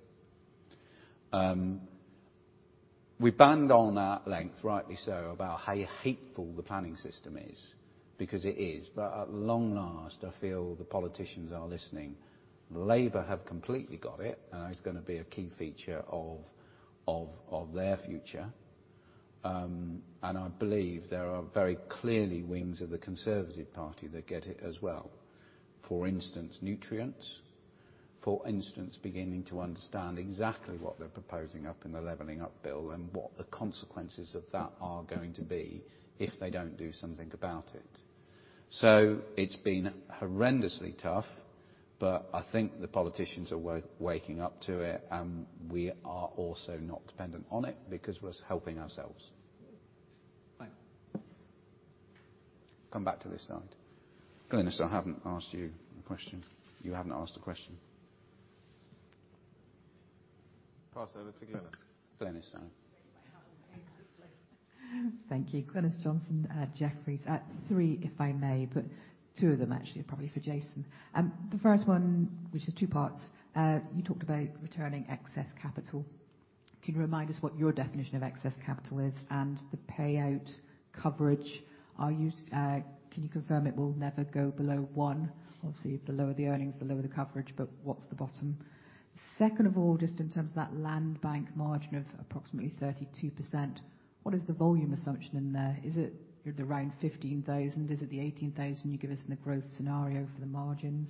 We banged on at length, rightly so, about how hateful the planning system is, because it is. At long last, I feel the politicians are listening. Labour have completely got it, and it's gonna be a key feature of their future. I believe there are very clearly wings of the Conservative Party that get it as well. For instance, nutrients. For instance, beginning to understand exactly what they're proposing up in the Levelling Up bill and what the consequences of that are going to be if they don't do something about it. It's been horrendously tough, but I think the politicians are waking up to it, and we are also not dependent on it because we're helping ourselves. Thanks. Come back to this side. Glynis, I haven't asked you a question. You haven't asked a question. Pass over to Glenis. Glenis, sorry. Thank you. Glynis Johnson at Jefferies. 3, if I may, but 2 of them actually are probably for Jason. The first one, which is 2 parts, you talked about returning excess capital. Can you remind us what your definition of excess capital is and the payout coverage? Can you confirm it will never go below 1? Obviously, the lower the earnings, the lower the coverage, but what's the bottom? Second of all, just in terms of that land bank margin of approximately 32%, what is the volume assumption in there? Is it's around 15,000? Is it the 18,000 you give us in the growth scenario for the margins?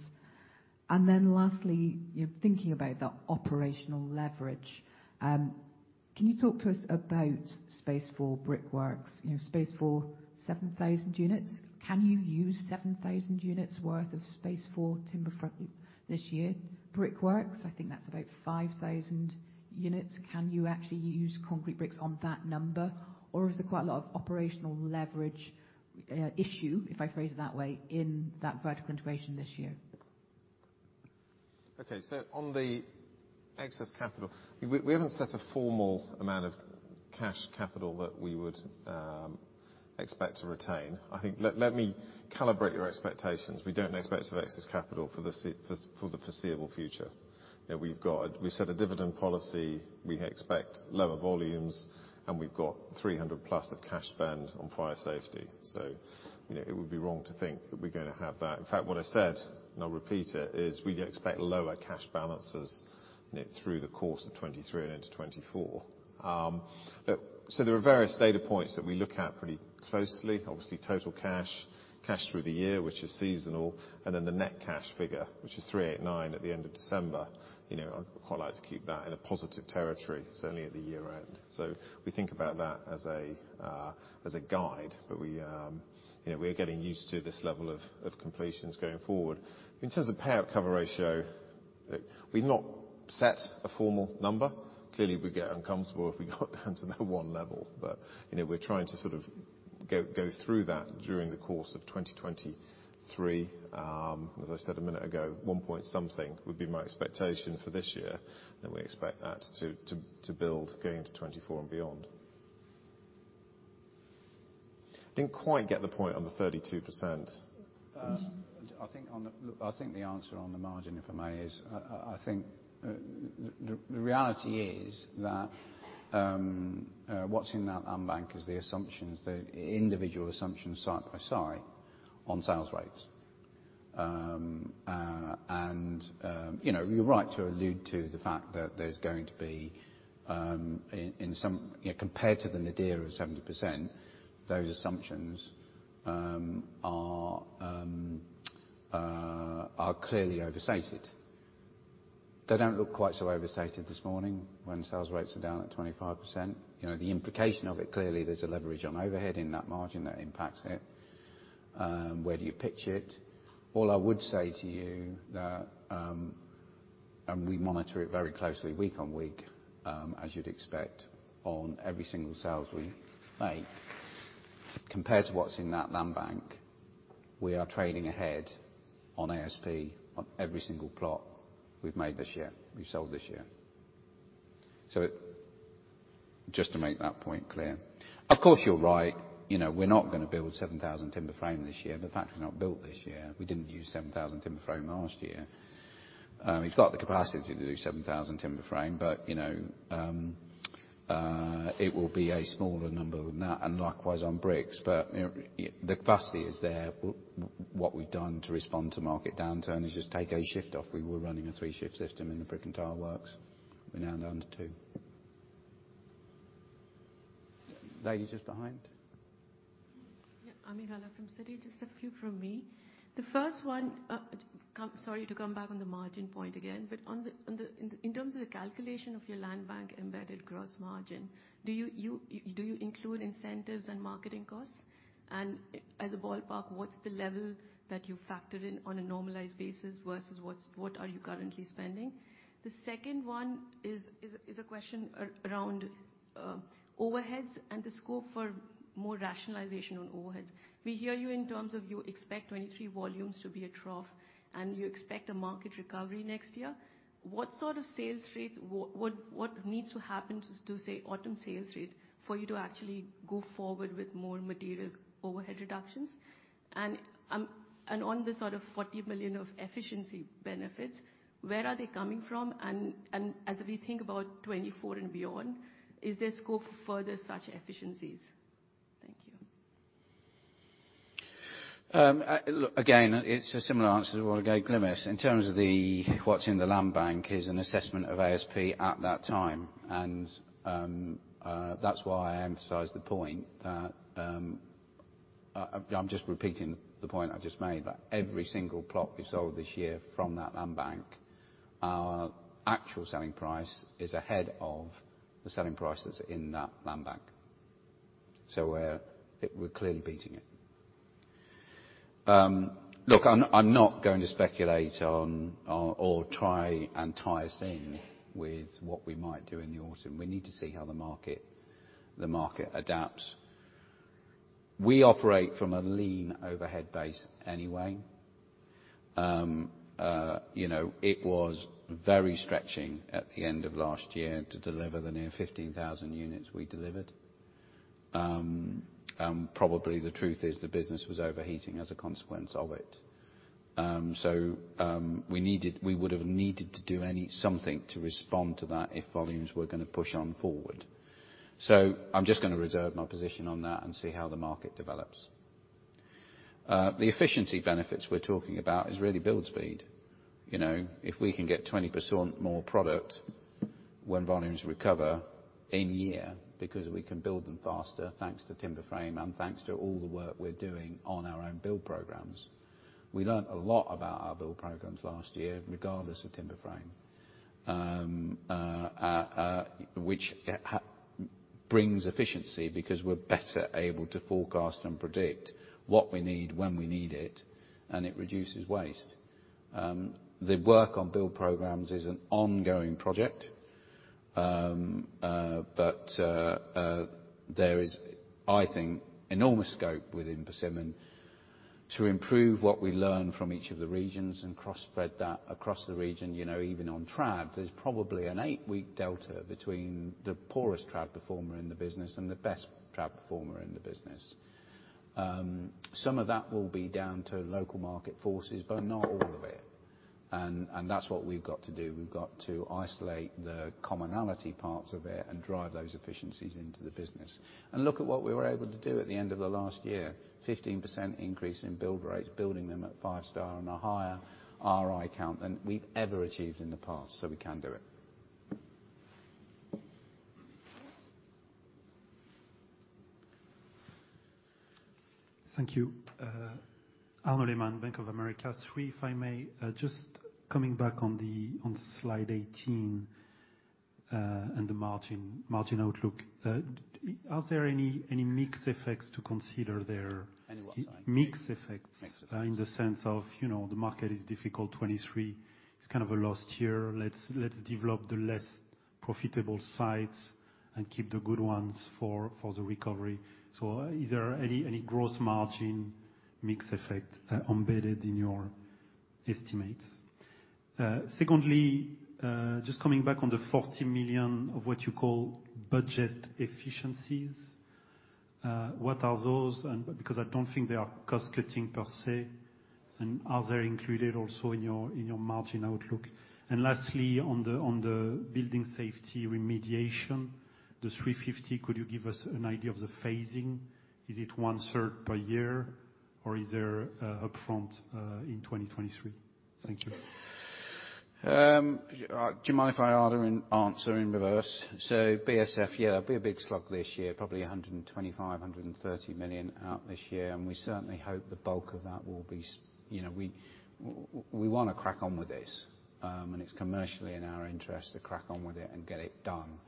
Lastly, you're thinking about the operational leverage. Can you talk to us about space for brickworks, you know, space for 7,000 units? Can you use 7,000 units worth of space for timber this year? Brickworks, I think that's about 5,000 units. Can you actually use concrete bricks on that number? Is there quite a lot of operational leverage issue, if I phrase it that way, in that vertical integration this year? Okay. On the excess capital, we haven't set a formal amount of cash capital that we would expect to retain. I think, let me calibrate your expectations. We don't expect to have excess capital for the foreseeable future. You know, we set a dividend policy. We expect lower volumes, and we've got 300 plus of cash spend on fire safety. You know, it would be wrong to think that we're gonna have that. In fact, what I said, and I'll repeat it, is we expect lower cash balances, you know, through the course of 2023 and into 2024. Look, there are various data points that we look at pretty closely. Obviously, total cash through the year, which is seasonal, and then the net cash figure, which is 389 at the end of December. You know, I'd quite like to keep that in a positive territory, certainly at the year-end. We think about that as a, as a guide. We, you know, we're getting used to this level of completions going forward. In terms of payout cover ratio, we've not set a formal number. Clearly, we'd get uncomfortable if we got down to the 1 level. You know, we're trying to go through that during the course of 2023. As I said a minute ago, 1 point something would be my expectation for this year, we expect that to build going into 2024 and beyond. Didn't quite get the point on the 32%. I think on the. Look, I think the answer on the margin, if I may, is I think the reality is that what's in that land bank is the assumptions, the individual assumptions side by side on sales rates. You know, you're right to allude to the fact that there's going to be in some. You know, compared to the nadir of 70%, those assumptions are clearly overstated. They don't look quite so overstated this morning when sales rates are down at 25%. You know, the implication of it, clearly, there's a leverage on overhead in that margin that impacts it. Where do you pitch it? All I would say to you that, we monitor it very closely week on week, as you'd expect on every single sales we make. Compared to what's in that land bank, we are trading ahead on ASP on every single plot we've made this year, we've sold this year. Just to make that point clear. Of course, you're right. You know, we're not gonna build 7,000 timber frame this year. The factory's not built this year. We didn't use 7,000 timber frame last year. We've got the capacity to do 7,000 timber frame, but, you know, it will be a smaller number than that, and likewise on bricks. You know, the capacity is there. What we've done to respond to market downturn is just take a shift off. We were running a 3-shift system in the brick and tile works. We're now down to 2. Lady just behind. Ami Galla from Citi. Just a few from me. The first one, Sorry to come back on the margin point again, but in terms of the calculation of your land bank embedded gross margin, do you include incentives and marketing costs? As a ballpark, what's the level that you factor in on a normalized basis versus what's, what are you currently spending? The second one is a question around overheads and the scope for more rationalization on overheads. We hear you in terms of you expect 2023 volumes to be a trough, and you expect a market recovery next year. What sort of sales rates, what needs to happen to say autumn sales rate for you to actually go forward with more material overhead reductions? On the sort of 40 million of efficiency benefits, where are they coming from? As we think about 2024 and beyond, is there scope for further such efficiencies? Thank you. Look, again, it's a similar answer to what I gave Glynis. In terms of the, what's in the land bank is an assessment of ASP at that time. That's why I emphasize the point that I'm just repeating the point I just made, that every single plot we sold this year from that land bank, our actual selling price is ahead of the selling prices in that land bank. We're clearly beating it. Look, I'm not going to speculate on or try and tie us in with what we might do in the autumn. We need to see how the market adapts. We operate from a lean overhead base anyway. You know, it was very stretching at the end of last year to deliver the near 15,000 units we delivered. Probably the truth is the business was overheating as a consequence of it. We needed, we would have needed to do something to respond to that if volumes were gonna push on forward. I'm just gonna reserve my position on that and see how the market develops. The efficiency benefits we're talking about is really build speed. You know, if we can get 20% more product when volumes recover in year, because we can build them faster, thanks to timber frame and thanks to all the work we're doing on our own build programs. We learned a lot about our build programs last year, regardless of timber frame. Which brings efficiency because we're better able to forecast and predict what we need when we need it, and it reduces waste. The work on build programs is an ongoing project. There is, I think, enormous scope within Persimmon to improve what we learn from each of the regions and cross-spread that across the region. You know, even on trad, there's probably an eight-week delta between the poorest trad performer in the business and the best trad performer in the business. Some of that will be down to local market forces, but not all of it. That's what we've got to do. We've got to isolate the commonality parts of it and drive those efficiencies into the business. Look at what we were able to do at the end of the last year. 15% increase in build rates, building them at five star and a higher RI count than we've ever achieved in the past, we can do it. Thank you. Arnaud Lehmann, Bank of America. Three, if I may. Just coming back on the, on slide 18, and the margin outlook. Are there any mix effects to consider there? Any what, sorry? Mix effects. Mix effects. In the sense of, you know, the market is difficult 2023. It's kind of a lost year. Let's develop the less profitable sites and keep the good ones for the recovery. Is there any gross margin mix effect embedded in your estimates? Secondly, just coming back on the 40 million of what you call Budget Efficiencies. What are those because I don't think they are cost-cutting per se, and are they included also in your margin outlook? Lastly, on the building safety remediation, the 350 million, could you give us an idea of the phasing? Is it one-third per year, or is there upfront in 2023? Thank you. Do you mind if I answer in reverse? BSF, yeah, it'll be a big slug this year, probably 125 million-130 million out this year, and we certainly hope the bulk of that will be you know, we wanna crack on with this, and it's commercially in our interest to crack on with it and get it done,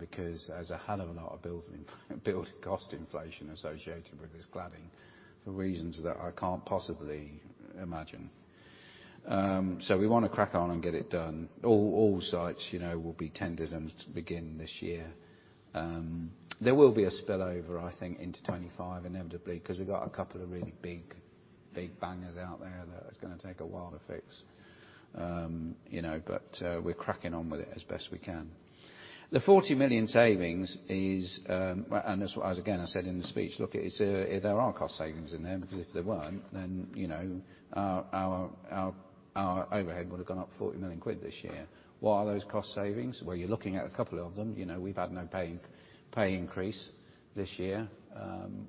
because there's a hell of a lot of building cost inflation associated with this cladding for reasons that I can't possibly imagine. We wanna crack on and get it done. All sites, you know, will be tendered and begin this year. There will be a spillover, I think, into 2025 inevitably 'cause we've got a couple of really big bangers out there that it's gonna take a while to fix. You know, we're cracking on with it as best we can. The 40 million savings is, as I, again, I said in the speech, look, it's, there are cost savings in there because if there weren't, then, you know, our overhead would've gone up 40 million quid this year. What are those cost savings? Well, you're looking at a couple of them. You know, we've had no pay increase this year.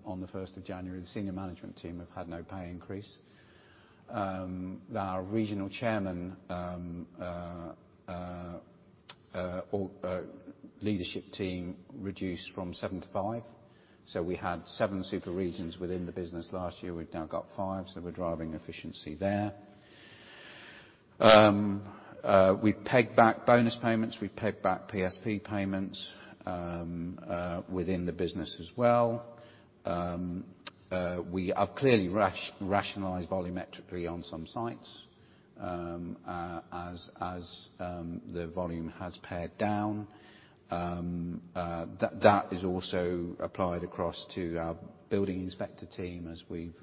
On the first of January, the senior management team have had no pay increase. Our regional chairman, leadership team reduced from seven to five. We had seven super regions within the business last year. We've now got five, we're driving efficiency there. We've pegged back bonus payments. We've pegged back PSP payments within the business as well. We have clearly ratio-rationalized volumetrically on some sites as the volume has pared down. That is also applied across to our building inspector team as we've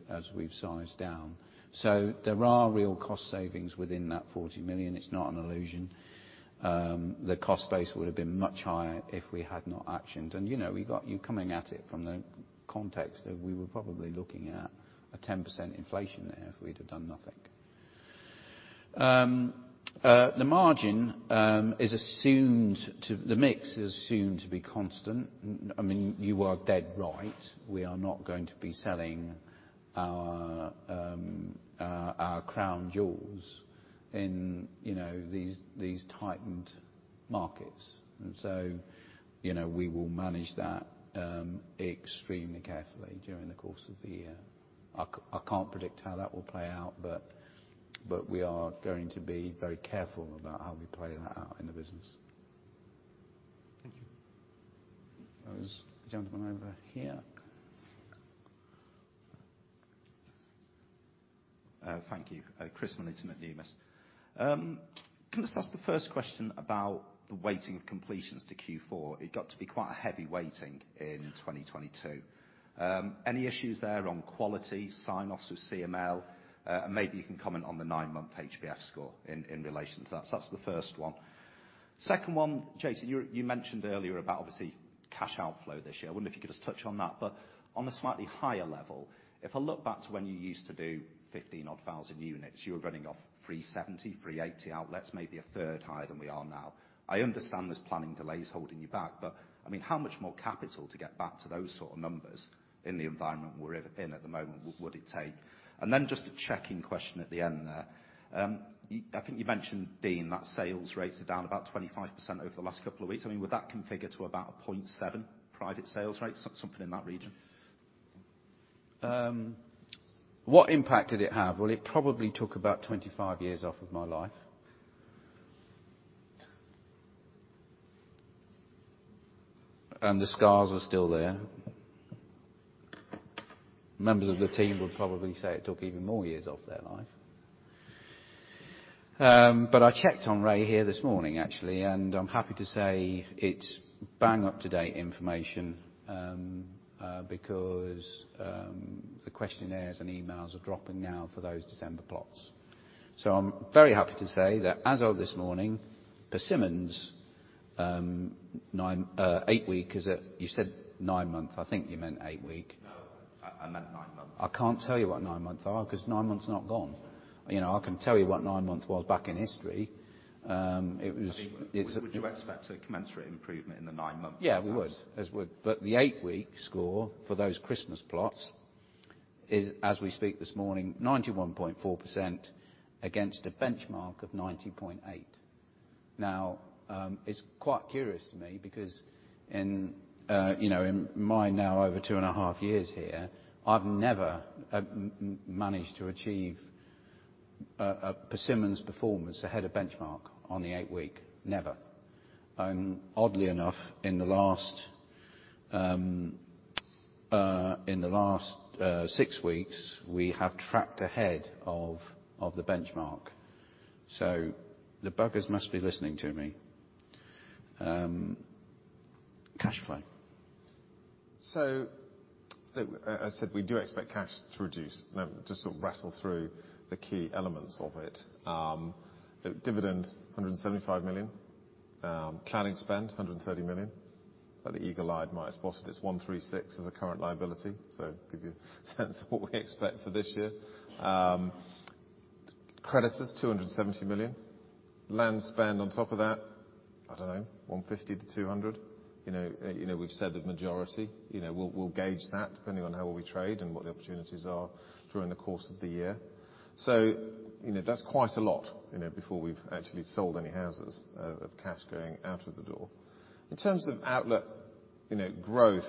sized down. So there are real cost savings within that 40 million. It's not an illusion. The cost base would've been much higher if we had not actioned. You know, we got you coming at it from the context of we were probably looking at a 10% inflation there if we'd have done nothing. The mix is assumed to be constant. I mean, you are dead right. We are not going to be selling our crown jewels in, you know, these tightened markets. You know, we will manage that, extremely carefully during the course of the year. I can't predict how that will play out, but we are going to be very careful about how we play that out in the business. Thank you. There was a gentleman over here. Thank you. Chris Millington at Numis. Can I just ask the first question about the weighting of completions to Q4? It got to be quite a heavy weighting in 2022. Any issues there on quality, sign-offs with CML? Maybe you can comment on the 9-month HBF score in relation to that. That's the first one. Second one, Jason, you mentioned earlier about obviously cash outflow this year. I wonder if you could just touch on that, on a slightly higher level, if I look back to when you used to do 15,000 odd units, you were running off 370, 380 outlets, maybe a third higher than we are now. I understand there's planning delays holding you back, but, I mean, how much more capital to get back to those sort of numbers in the environment we're in at the moment would it take? Just a checking question at the end there. I think you mentioned, Dean, that sales rates are down about 25% over the last couple of weeks. I mean, would that configure to about a 0.7 private sales rate, so something in that region? What impact did it have? Well, it probably took about 25 years off of my life. The scars are still there. Members of the team would probably say it took even more years off their life. I checked on Ray here this morning actually, and I'm happy to say it's bang up-to-date information, because the questionnaires and emails are dropping now for those December plots. I'm very happy to say that as of this morning, Persimmon's 8-week is at... You said 9-month, I think you meant 8-week. No, I meant nine months. I can't tell you what nine-month are, 'cause nine months not gone. You know, I can tell you what nine-month was back in history. I mean, would you expect a commensurate improvement in the 9 month? Yeah, we would. As would. The 8-week score for those Christmas plots is, as we speak this morning, 91.4% against a benchmark of 90.8. It's quite curious to me because, you know, in my now over 2.5 years here, I've never managed to achieve a Persimmon's performance ahead of benchmark on the 8 week. Never. Oddly enough, in the last 6 weeks, we have tracked ahead of the benchmark. The buggers must be listening to me. Cash flow. Look, as I said, we do expect cash to reduce. Just to sort of rattle through the key elements of it. Dividend, 175 million. Cladding spend, 130 million. The eagle-eyed might have spotted it's 136 as a current liability. Give you a sense of what we expect for this year. Creditors, 270 million. Land spend on top of that, I don't know, 150-200. You know, you know, we've said the majority. You know, we'll gauge that depending on how well we trade and what the opportunities are during the course of the year. That's quite a lot, you know, before we've actually sold any houses of cash going out of the door. In terms of outlet, you know, growth,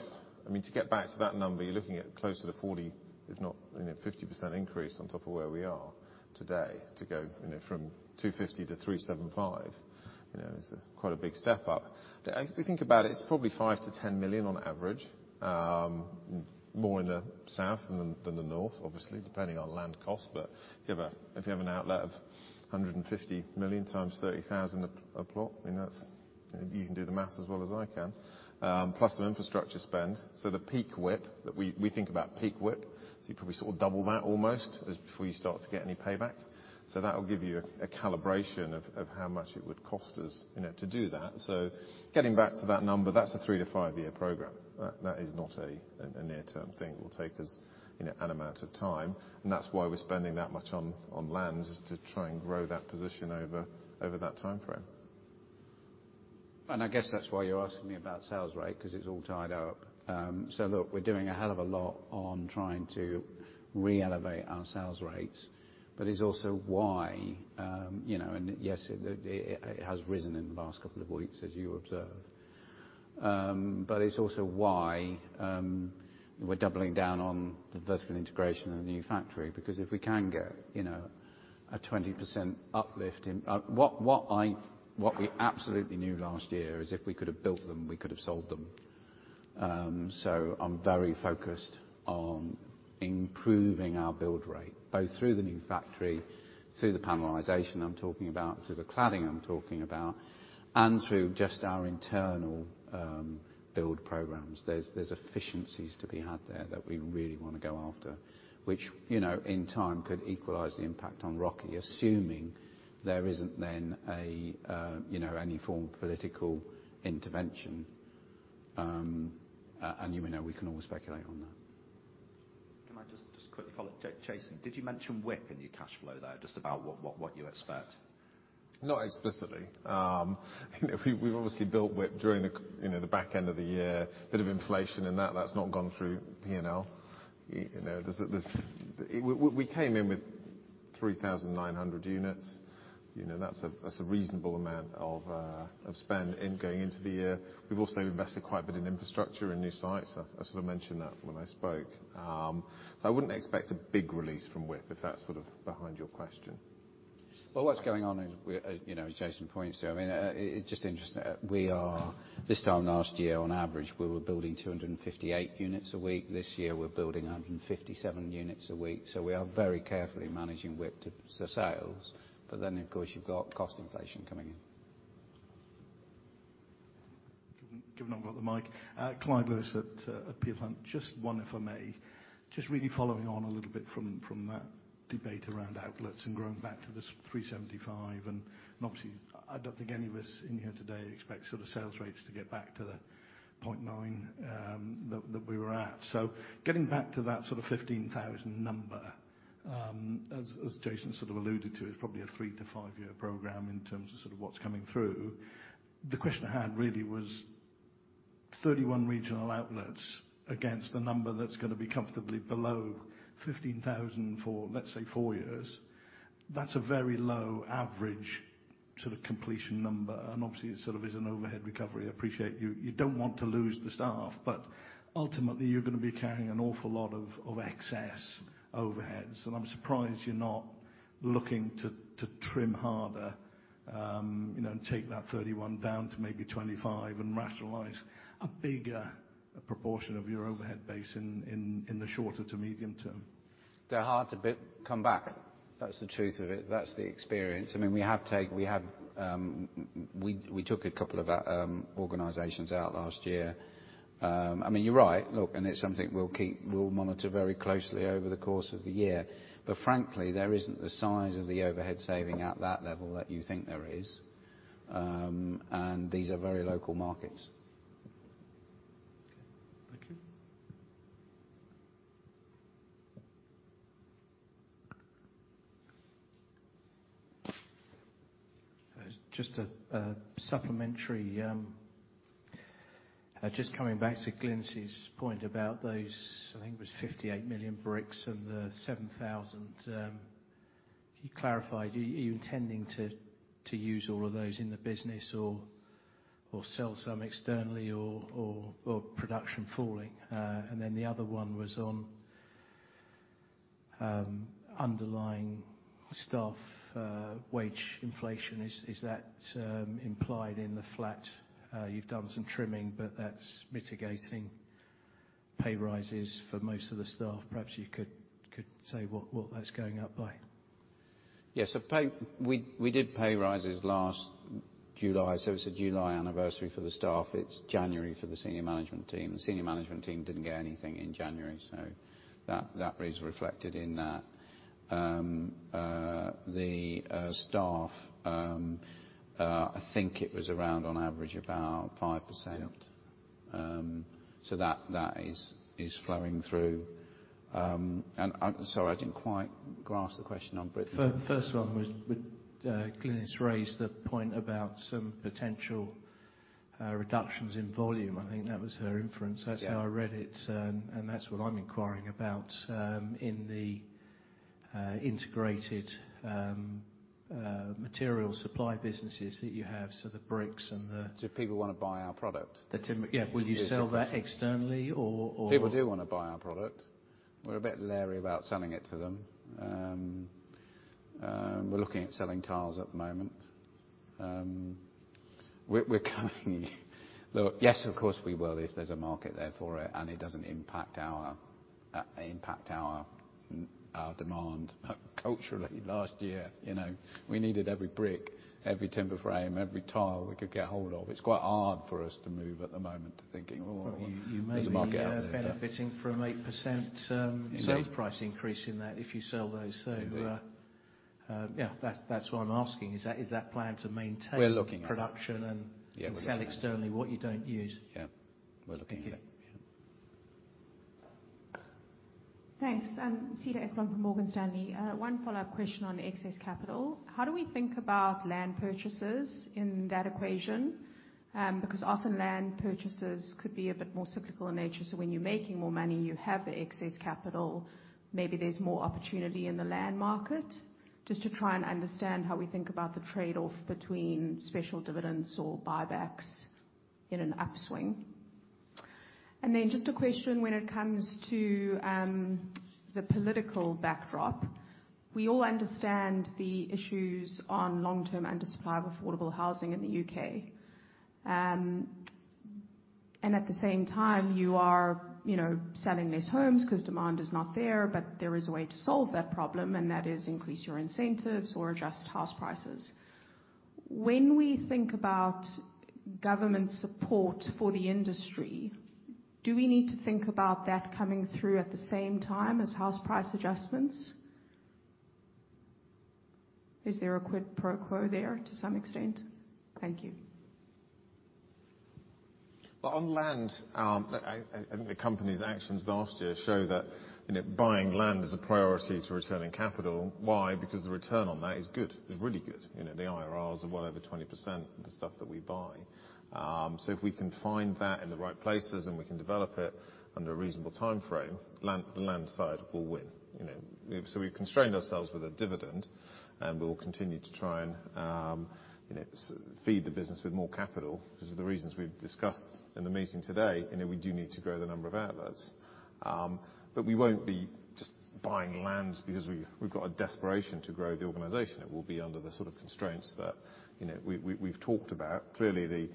I mean, to get back to that number, you're looking at closer to 40, if not, you know, 50% increase on top of where we are today to go, you know, from 250 to 375, you know, is quite a big step up. If you think about it's probably 5 million-10 million on average. More in the south than the north, obviously, depending on land cost. If you have an outlet of 150 million times 30,000 a plot, I mean, that's. You can do the maths as well as I can. Plus the infrastructure spend. The peak WIP, that we think about peak WIP, so you probably sort of double that almost as, before you start to get any payback. That'll give you a calibration of how much it would cost us, you know, to do that. Getting back to that number, that's a 3-5-year program. That is not a near-term thing. It will take us, you know, an amount of time, and that's why we're spending that much on lands, is to try and grow that position over that timeframe. I guess that's why you're asking me about sales rate, because it's all tied up. Look, we're doing a hell of a lot on trying to re-elevate our sales rates. It's also why, you know, and yes, it has risen in the last couple of weeks, as you observed. It's also why, we're doubling down on the vertical integration and the new factory, because if we can get, you know, a 20% uplift in... What we absolutely knew last year is if we could have built them, we could have sold them. I'm very focused on improving our build rate, both through the new factory, through the panelization I'm talking about, through the cladding I'm talking about, and through just our internal, build programs. There's efficiencies to be had there that we really wanna go after, which, you know, in time could equalize the impact on ROCE, assuming there isn't then a, you know, any form of political intervention. You know we can always speculate on that. Can I just quickly follow Jason? Did you mention WIP in your cash flow there, just about what you expect? Not explicitly. You know, we've obviously built WIP during the back end of the year. A bit of inflation in that's not gone through P&L. You know, there's a... We, we came in with 3,900 units. You know, that's a, that's a reasonable amount of spend in, going into the year. We've also invested quite a bit in infrastructure and new sites. I sort of mentioned that when I spoke. I wouldn't expect a big release from WIP, if that's sort of behind your question. Well, what's going on is we're, you know, as Jason points to, I mean, it's just interesting. We are, this time last year, on average, we were building 258 units a week. This year, we're building 157 units a week. We are very carefully managing WIP to sales. Of course, you've got cost inflation coming in. Given I've got the mic, Clyde Lewis at Peel Hunt. Just one, if I may. Just really following on a little bit from that debate around outlets and growing back to the 375. Obviously, I don't think any of us in here today expect sort of sales rates to get back to the 0.9 that we were at. Getting back to that sort of 15,000 number, as Jason sort of alluded to, is probably a 3-to-5-year program in terms of sort of what's coming through. The question I had really was 31 regional outlets against the number that's gonna be comfortably below 15,000 for, let's say, 4 years. That's a very low average sort of completion number, and obviously, it sort of is an overhead recovery. I appreciate you don't want to lose the staff, but ultimately, you're gonna be carrying an awful lot of excess overheads. I'm surprised you're not looking to trim harder, you know, and take that 31 down to maybe 25 and rationalize a bigger proportion of your overhead base in the shorter to medium term. They're hard to come back. That's the truth of it. That's the experience. I mean, we took a couple of organizations out last year. I mean, you're right. Look, it's something we'll monitor very closely over the course of the year. Frankly, there isn't the size of the overhead saving at that level that you think there is. These are very local markets. Okay. Thank you. Just a supplementary, just coming back to Glynis's point about those, I think it was 58 million bricks and the 7,000, can you clarify, are you intending to use all of those in the business or sell some externally or production falling? Then the other one was on- Underlying staff wage inflation, is that implied in the flat? You've done some trimming, but that's mitigating pay rises for most of the staff. Perhaps you could say what that's going up by. Yes. We did pay rises last July, so it's a July anniversary for the staff. It's January for the senior management team. The senior management team didn't get anything in January, so that is reflected in that. The staff, I think it was around on average about 5%. Yep. That is flowing through. I'm sorry, I didn't quite grasp the question on Brick. First one was Glenys raised the point about some potential reductions in volume. I think that was her inference. Yeah. That's how I read it, and that's what I'm inquiring about in the integrated material supply businesses that you have. The bricks. Do people wanna buy our product? Yeah. Is the question. Will you sell that externally or. People do wanna buy our product. We're a bit leery about selling it to them. We're looking at selling tiles at the moment. We're kind. Look, yes, of course we will if there's a market there for it, and it doesn't impact our demand. Culturally, last year, you know, we needed every brick, every timber frame, every tile we could get ahold of. It's quite hard for us to move at the moment to thinking, "Well, there's a market out there for..." You may be benefiting from 8% Indeed... sales price increase in that if you sell those. Indeed. Yeah. That's what I'm asking is that plan to maintain? We're looking at it... production. Yeah, we're looking at it... sell externally what you don't use. Yeah, we're looking at it. Thank you. Thanks. I'm Cedar Ekblom from Morgan Stanley. One follow-up question on excess capital. How do we think about land purchases in that equation? Because often land purchases could be a bit more cyclical in nature. When you're making more money, you have the excess capital, maybe there's more opportunity in the land market. Just to try and understand how we think about the trade-off between special dividends or buybacks in an upswing. Just a question when it comes to the political backdrop. We all understand the issues on long-term under supply of affordable housing in the U.K. At the same time, you are, you know, selling less homes 'cause demand is not there, but there is a way to solve that problem, and that is increase your incentives or adjust house prices. When we think about government support for the industry, do we need to think about that coming through at the same time as house price adjustments? Is there a quid pro quo there to some extent? Thank you. On land, I think the company's actions last year show that, you know, buying land is a priority to returning capital. Why? Because the return on that is good. It's really good. You know, the IRRs are well over 20%, the stuff that we buy. If we can find that in the right places, and we can develop it under a reasonable timeframe, land, the land side will win. You know, we've constrained ourselves with a dividend, and we will continue to try and, you know, feed the business with more capital because of the reasons we've discussed in the meeting today. You know, we do need to grow the number of outlets. We won't be just buying land because we've got a desperation to grow the organization. It will be under the sort of constraints that, you know, we've talked about. Clearly,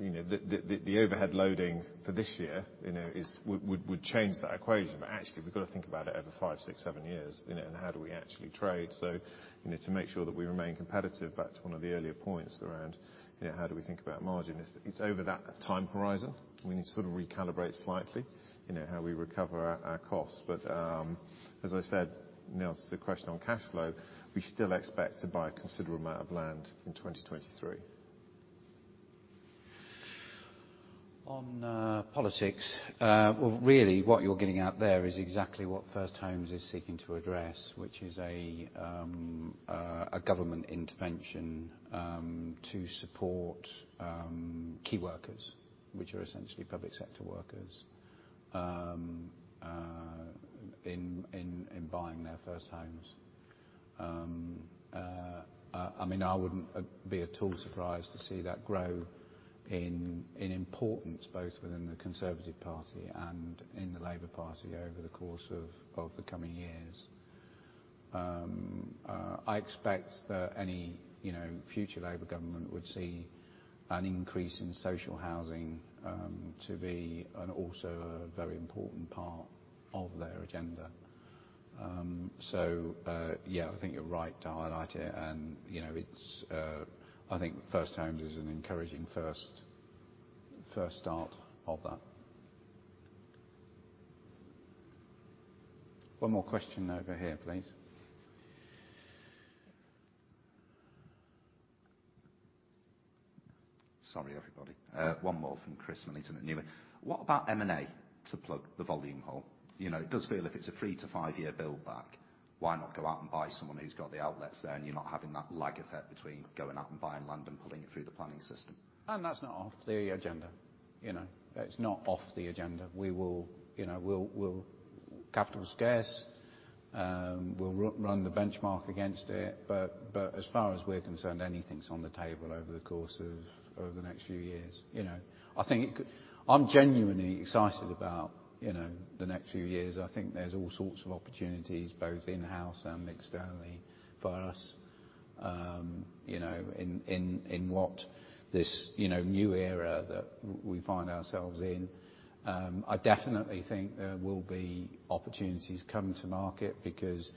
you know, the overhead loading for this year, you know, is, would change that equation. Actually, we've gotta think about it over 5, 6, 7 years, you know, and how do we actually trade. You know, to make sure that we remain competitive, back to one of the earlier points around, you know, how do we think about margin is it's over that time horizon. We need to sort of recalibrate slightly, you know, how we recover our costs. As I said, you know, to the question on cash flow, we still expect to buy a considerable amount of land in 2023. On politics, well, really what you're getting at there is exactly what First Homes is seeking to address, which is a government intervention to support key workers, which are essentially public sector workers in buying their first homes. I mean, I wouldn't be at all surprised to see that grow in importance both within the Conservative Party and in the Labour Party over the course of the coming years. I expect that any, you know, future Labor government would see an increase in social housing to be an also a very important part of their agenda. Yeah, I think you're right to highlight it and, you know, it's, I think First Home is an encouraging first start of that. One more question over here, please. Sorry, everybody. One more from Chris Millington to the new. What about M&A to plug the volume hole? You know, it does feel if it's a three to five year build back, why not go out and buy someone who's got the outlets there and you're not having that lag effect between going out and buying land and pulling it through the planning system? That's not off the agenda, you know. It's not off the agenda. We will, you know, we'll. Capital scarce. We'll run the benchmark against it. As far as we're concerned, anything's on the table over the course of the next few years, you know. I'm genuinely excited about, you know, the next few years. I think there's all sorts of opportunities, both in-house and externally for us, you know, in what this, you know, new era that we find ourselves in. I definitely think there will be opportunities coming to market because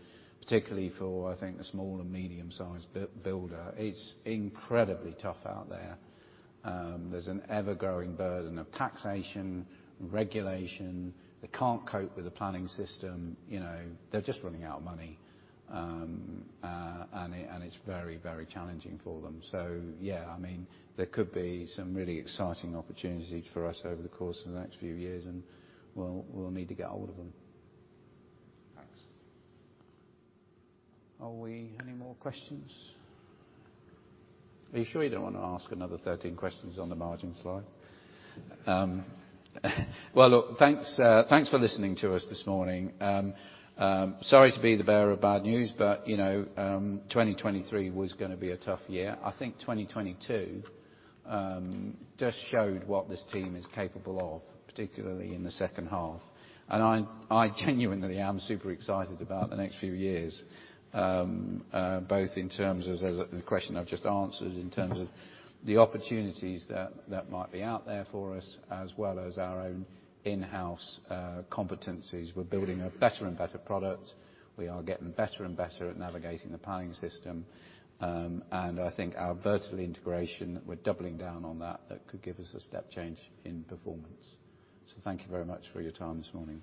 particularly for, I think, the small and medium sized builder, it's incredibly tough out there. There's an ever-growing burden of taxation, regulation. They can't cope with the planning system, you know. They're just running out of money. It's very challenging for them. Yeah, I mean, there could be some really exciting opportunities for us over the course of the next few years, and we'll need to get a hold of them. Thanks. Are we any more questions? Are you sure you don't wanna ask another 13 questions on the margin slide? Well, look, thanks for listening to us this morning. Sorry to be the bearer of bad news, but, you know, 2023 was gonna be a tough year. I think 2022 just showed what this team is capable of, particularly in the second half. I genuinely am super excited about the next few years. Both in terms of the question I've just answered, in terms of the opportunities that might be out there for us, as well as our own in-house, competencies. We're building a better and better product. We are getting better and better at navigating the planning system. I think our vertical integration, we're doubling down on that. That could give us a step change in performance. Thank you very much for your time this morning.